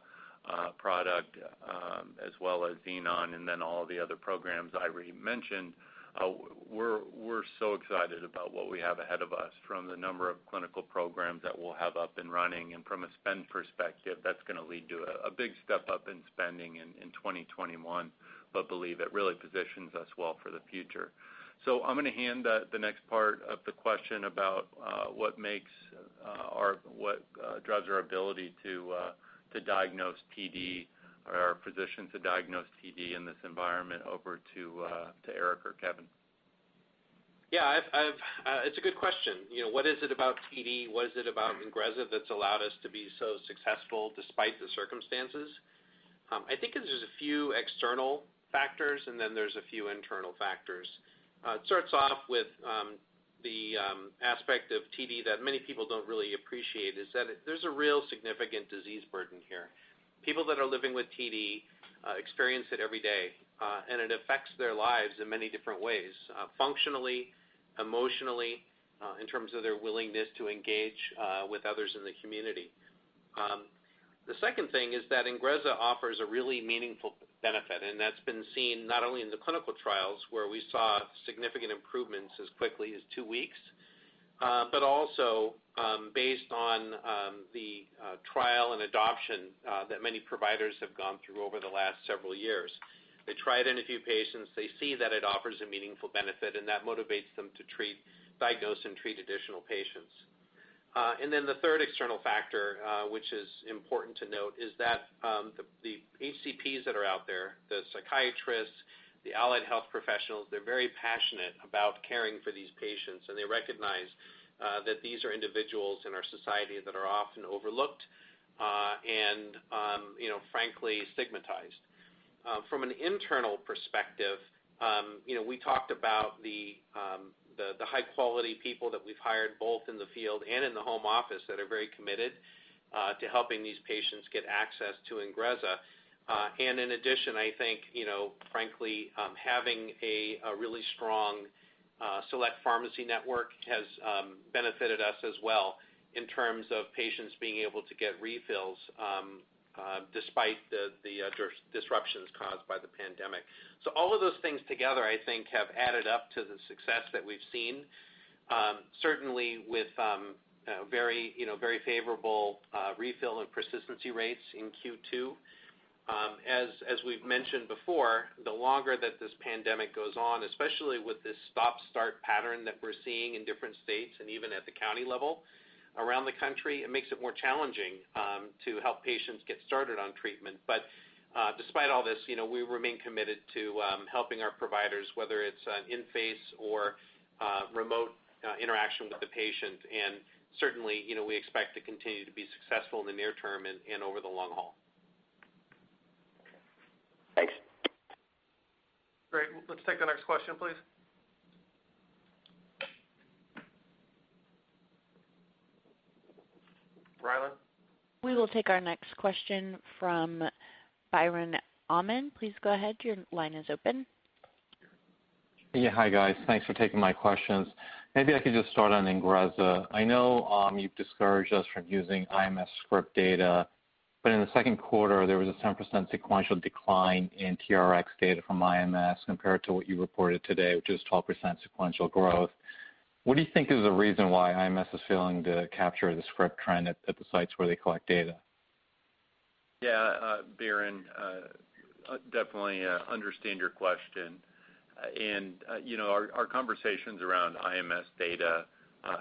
product, as well as Xenon, all the other programs Eiry mentioned, we're so excited about what we have ahead of us from the number of clinical programs that we'll have up and running. From a spend perspective, that's going to lead to a big step-up in spending in 2021, but believe it really positions us well for the future. I'm going to hand the next part of the question about what drives our ability to diagnose TD or our position to diagnose TD in this environment over to Eric or Kevin. Yeah. It's a good question. What is it about TD? What is it about INGREZZA that's allowed us to be so successful despite the circumstances? I think there's a few external factors, and then there's a few internal factors. It starts off with the aspect of TD that many people don't really appreciate is that there's a real significant disease burden here. People that are living with TD experience it every day, and it affects their lives in many different ways: functionally, emotionally, in terms of their willingness to engage with others in the community. The second thing is that INGREZZA offers a really meaningful benefit, and that's been seen not only in the clinical trials, where we saw significant improvements as quickly as two weeks, but also based on the trial and adoption that many providers have gone through over the last several years. They try it in a few patients, they see that it offers a meaningful benefit. That motivates them to diagnose and treat additional patients. The third external factor, which is important to note, is that the HCPs that are out there, the psychiatrists, the allied health professionals, they're very passionate about caring for these patients. They recognize that these are individuals in our society that are often overlooked and frankly, stigmatized. From an internal perspective, we talked about the high-quality people that we've hired, both in the field and in the home office, that are very committed to helping these patients get access to INGREZZA. In addition, I think frankly, having a really strong select pharmacy network has benefited us as well in terms of patients being able to get refills despite the disruptions caused by the pandemic. All of those things together, I think, have added up to the success that we've seen, certainly with very favorable refill and persistency rates in Q2. As we've mentioned before, the longer that this pandemic goes on, especially with this stop-start pattern that we're seeing in different states and even at the county level around the country, it makes it more challenging to help patients get started on treatment. Despite all this, we remain committed to helping our providers, whether it's an in-face or remote interaction with the patient. Certainly, we expect to continue to be successful in the near term and over the long haul. Thanks. Great. Let's take the next question, please. Rylan? We will take our next question from Biren Amin. Please go ahead. Your line is open. Hi, guys. Thanks for taking my questions. Maybe I could just start on INGREZZA. I know you've discouraged us from using IMS script data. In the second quarter, there was a 10% sequential decline in TRx data from IMS compared to what you reported today, which is 12% sequential growth. What do you think is the reason why IMS is failing to capture the script trend at the sites where they collect data? Yeah, Biren, definitely understand your question. Our conversations around IMS data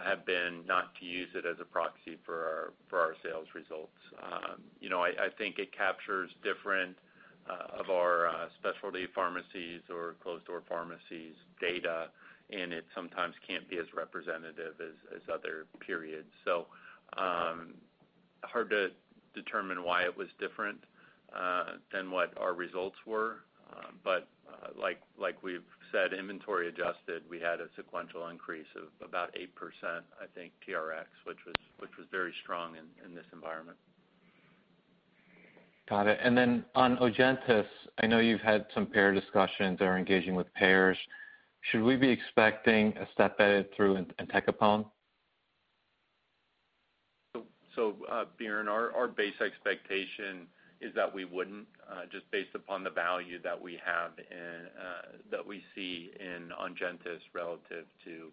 have been not to use it as a proxy for our sales results. I think it captures different of our specialty pharmacies or closed-door pharmacies' data, and it sometimes can't be as representative as other periods. Hard to determine why it was different than what our results were. Like we've said, inventory adjusted, we had a sequential increase of about 8%, I think, TRx, which was very strong in this environment. Got it. On ONGENTYS, I know you've had some payer discussions or engaging with payers. Should we be expecting a step edit through entacapone? Biren, our base expectation is that we wouldn't, just based upon the value that we see in ONGENTYS relative to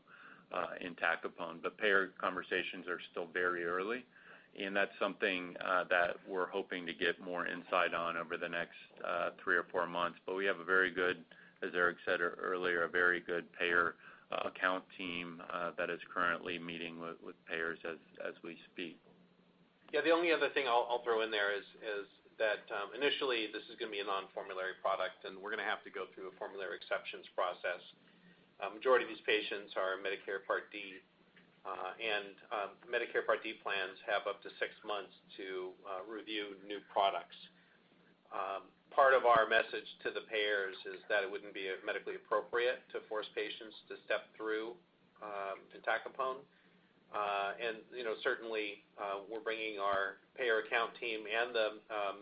entacapone. Payer conversations are still very early, and that's something that we're hoping to get more insight on over the next three or four months. We have a very good, as Eric said earlier, a very good payer account team that is currently meeting with payers as we speak. Yeah. The only other thing I'll throw in there is that initially, this is going to be a non-formulary product, and we're going to have to go through a formulary exceptions process. Majority of these patients are Medicare Part D, and Medicare Part D plans have up to six months to review new products. Part of our message to the payers is that it wouldn't be medically appropriate to force patients to step through entacapone. Certainly, we're bringing our payer account team and the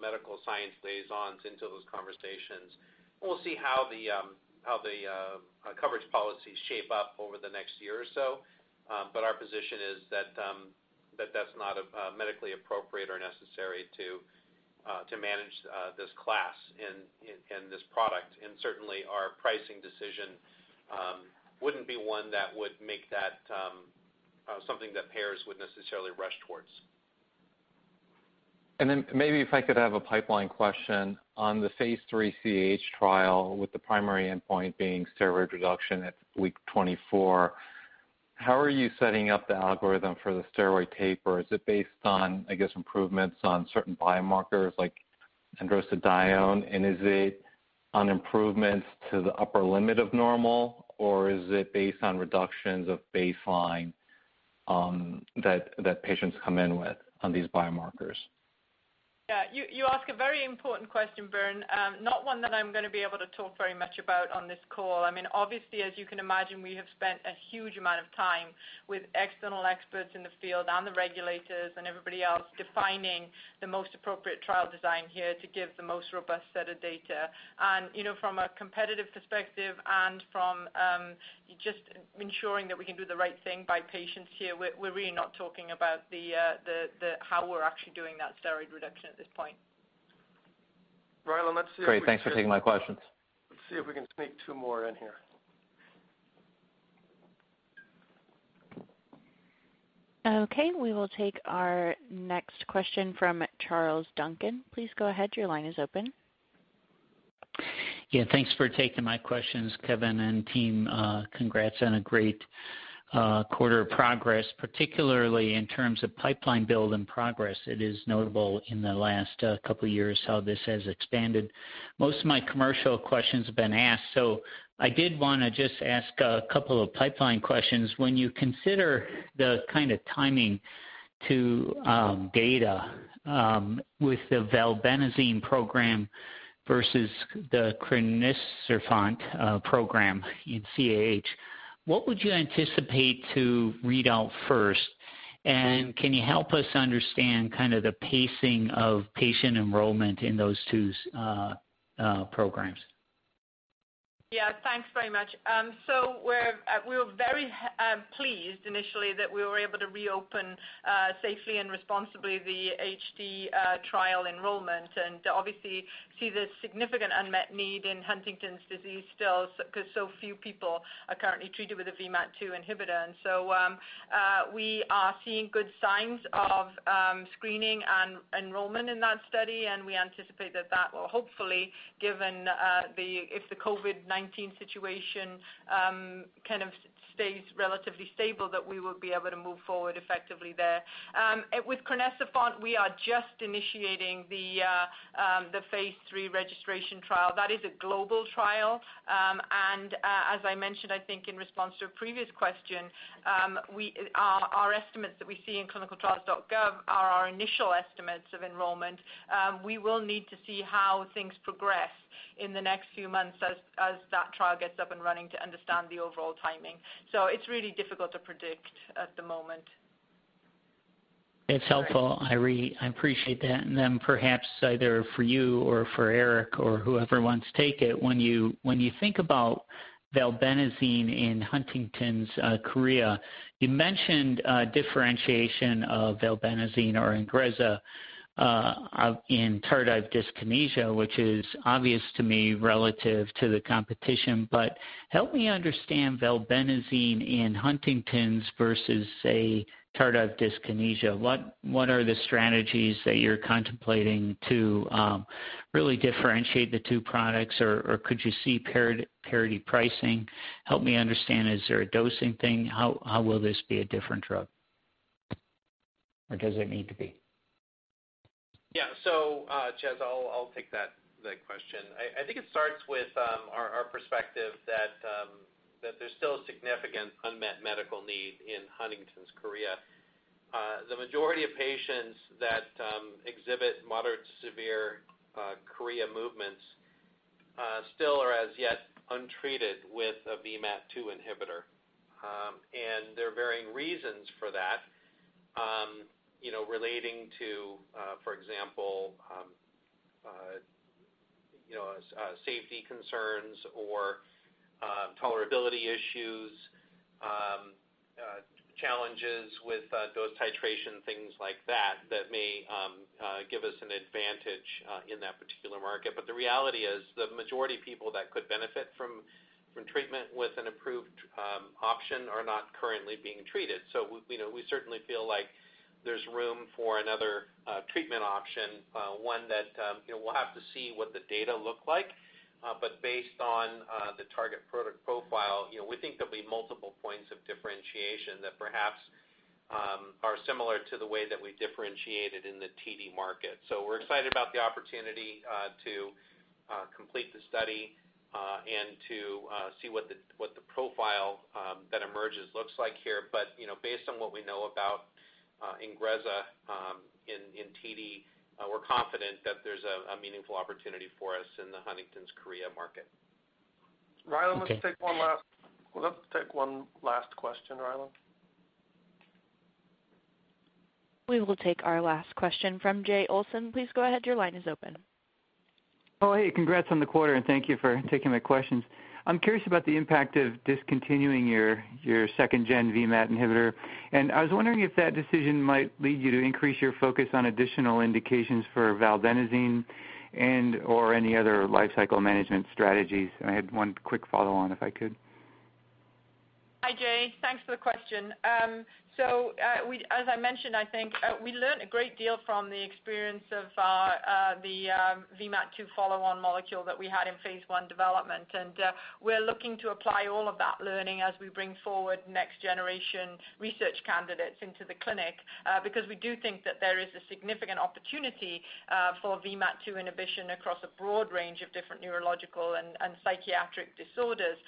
medical science liaisons into those conversations. We'll see how the coverage policies shape up over the next year or so. Our position is that's not medically appropriate or necessary to manage this class and this product. Certainly, our pricing decision wouldn't be one that would make that something that payers would necessarily rush towards. Maybe if I could have a pipeline question on the phase III CAH trial with the primary endpoint being steroid reduction at week 24, how are you setting up the algorithm for the steroid taper? Is it based on, I guess improvements on certain biomarkers like androstenedione? Is it on improvements to the upper limit of normal, or is it based on reductions of baseline that patients come in with on these biomarkers? Yeah, you ask a very important question, Biren. Not one that I'm going to be able to talk very much about on this call. Obviously, as you can imagine, we have spent a huge amount of time with external experts in the field and the regulators and everybody else defining the most appropriate trial design here to give the most robust set of data. From a competitive perspective and from just ensuring that we can do the right thing by patients here, we're really not talking about how we're actually doing that steroid reduction at this point. Rylan, let's see if we. Great. Thanks for taking my questions. Let's see if we can sneak two more in here. Okay. We will take our next question from Charles Duncan. Please go ahead. Your line is open. Yeah, thanks for taking my questions, Kevin and team. Congrats on a great quarter of progress, particularly in terms of pipeline build and progress. It is notable in the last couple of years how this has expanded. Most of my commercial questions have been asked. I did want to just ask a couple of pipeline questions. When you consider the kind of timing to data with the valbenazine program versus the crinecerfont program in CAH, what would you anticipate to read out first? Can you help us understand kind of the pacing of patient enrollment in those two programs? Yeah, thanks very much. We were very pleased initially that we were able to reopen safely and responsibly the HD trial enrollment and obviously see the significant unmet need in Huntington's disease still because so few people are currently treated with a VMAT2 inhibitor. We are seeing good signs of screening and enrollment in that study, and we anticipate that that will hopefully, given if the COVID-19 situation kind of stays relatively stable, that we will be able to move forward effectively there. With crinecerfont, we are just initiating the phase III registration trial. That is a global trial. As I mentioned, I think in response to a previous question, our estimates that we see in clinicaltrials.gov are our initial estimates of enrollment. We will need to see how things progress in the next few months as that trial gets up and running to understand the overall timing. It's really difficult to predict at the moment. It's helpful. I appreciate that. Then perhaps either for you or for Eric or whoever wants to take it, when you think about valbenazine in Huntington's chorea, you mentioned differentiation of valbenazine or INGREZZA in tardive dyskinesia, which is obvious to me relative to the competition. Help me understand valbenazine in Huntington's versus, say, tardive dyskinesia. What are the strategies that you're contemplating to really differentiate the two products? Could you see parity pricing? Help me understand, is there a dosing thing? How will this be a different drug? Does it need to be? Chas, I'll take that question. I think it starts with our perspective that there's still a significant unmet medical need in Huntington's chorea. The majority of patients that exhibit moderate to severe chorea movements still are as yet untreated with a VMAT2 inhibitor. There are varying reasons for that relating to, for example, safety concerns or tolerability issues, challenges with dose titration, things like that may give us an advantage in that particular market. The reality is the majority of people that could benefit from treatment with an approved option are not currently being treated. We certainly feel like there's room for another treatment option, one that we'll have to see what the data look like. Based on the target product profile, we think there'll be multiple points of differentiation that perhaps are similar to the way that we differentiated in the TD market. We're excited about the opportunity to complete the study and to see what the profile that emerges looks like here. Based on what we know about INGREZZA in TD, we're confident that there's a meaningful opportunity for us in the Huntington's chorea market. Rylan, let's take one last question, Rylan. We will take our last question from Jay Olson. Please go ahead. Your line is open. Oh, hey, congrats on the quarter, and thank you for taking my questions. I am curious about the impact of discontinuing your second-gen VMAT inhibitor, and I was wondering if that decision might lead you to increase your focus on additional indications for valbenazine and or any other lifecycle management strategies. I had one quick follow on if I could. Hi, Jay. Thanks for the question. As I mentioned, I think we learned a great deal from the experience of the VMAT2 follow-on molecule that we had in phase I development. We're looking to apply all of that learning as we bring forward next generation research candidates into the clinic. We do think that there is a significant opportunity for VMAT2 inhibition across a broad range of different neurological and psychiatric disorders,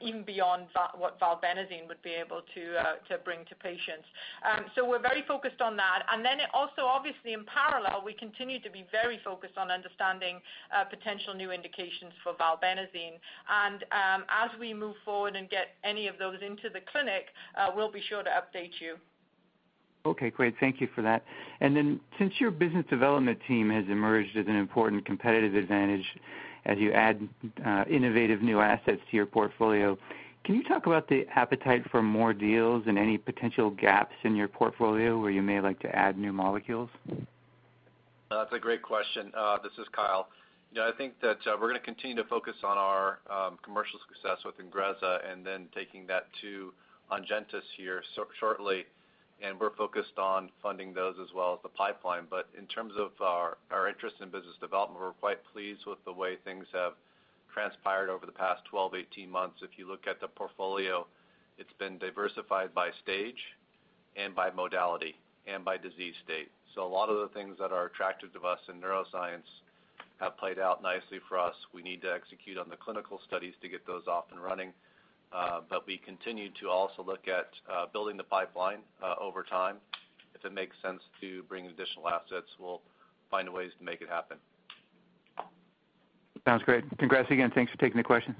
even beyond what valbenazine would be able to bring to patients. We're very focused on that. It also, obviously, in parallel, we continue to be very focused on understanding potential new indications for valbenazine. As we move forward and get any of those into the clinic, we'll be sure to update you. Okay, great. Thank you for that. Since your business development team has emerged as an important competitive advantage as you add innovative new assets to your portfolio, can you talk about the appetite for more deals and any potential gaps in your portfolio where you may like to add new molecules? That's a great question. This is Kyle. I think that we're going to continue to focus on our commercial success with INGREZZA and then taking that to ONGENTYS here shortly. We're focused on funding those as well as the pipeline. In terms of our interest in business development, we're quite pleased with the way things have transpired over the past 12, 18 months. If you look at the portfolio, it's been diversified by stage and by modality and by disease state. A lot of the things that are attractive to us in neuroscience have played out nicely for us. We need to execute on the clinical studies to get those off and running. We continue to also look at building the pipeline over time. If it makes sense to bring additional assets, we'll find ways to make it happen. Sounds great. Congrats again. Thanks for taking the question.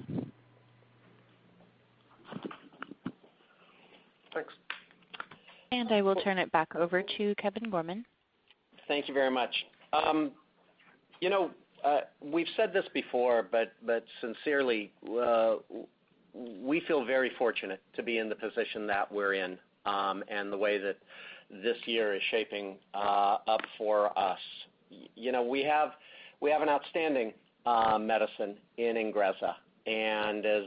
Thanks. I will turn it back over to Kevin Gorman. Thank you very much. We've said this before, sincerely, we feel very fortunate to be in the position that we're in and the way that this year is shaping up for us. We have an outstanding medicine in INGREZZA. As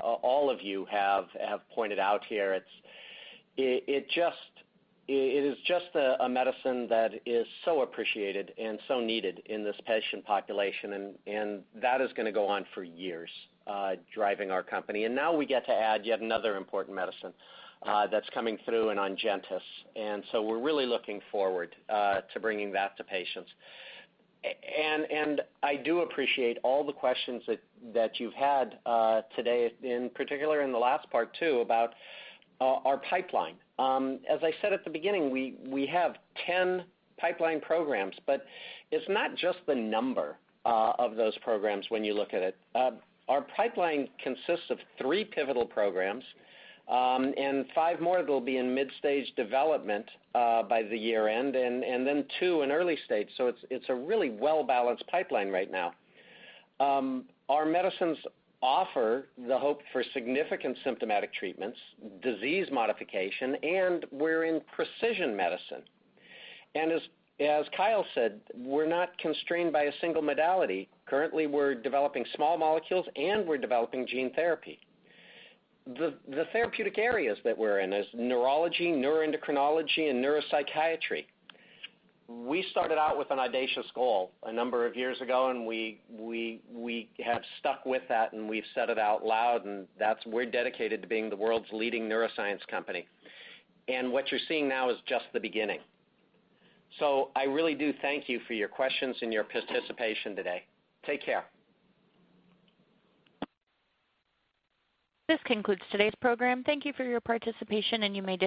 all of you have pointed out here, it is just a medicine that is so appreciated and so needed in this patient population. That is going to go on for years driving our company. Now we get to add yet another important medicine that's coming through in ONGENTYS. We're really looking forward to bringing that to patients. I do appreciate all the questions that you've had today, in particular in the last part too, about our pipeline. As I said at the beginning, we have 10 pipeline programs, but it's not just the number of those programs when you look at it. Our pipeline consists of three pivotal programs, and five more that'll be in mid-stage development by the year-end, and then two in early stage. It's a really well-balanced pipeline right now. Our medicines offer the hope for significant symptomatic treatments, disease modification, and we're in precision medicine. As Kyle said, we're not constrained by a single modality. Currently, we're developing small molecules, and we're developing gene therapy. The therapeutic areas that we're in is neurology, neuroendocrinology, and neuropsychiatry. We started out with an audacious goal a number of years ago, and we have stuck with that, and we've said it out loud, and that's we're dedicated to being the world's leading neuroscience company. What you're seeing now is just the beginning. I really do thank you for your questions and your participation today. Take care. This concludes today's program. Thank you for your participation, and you may disconnect.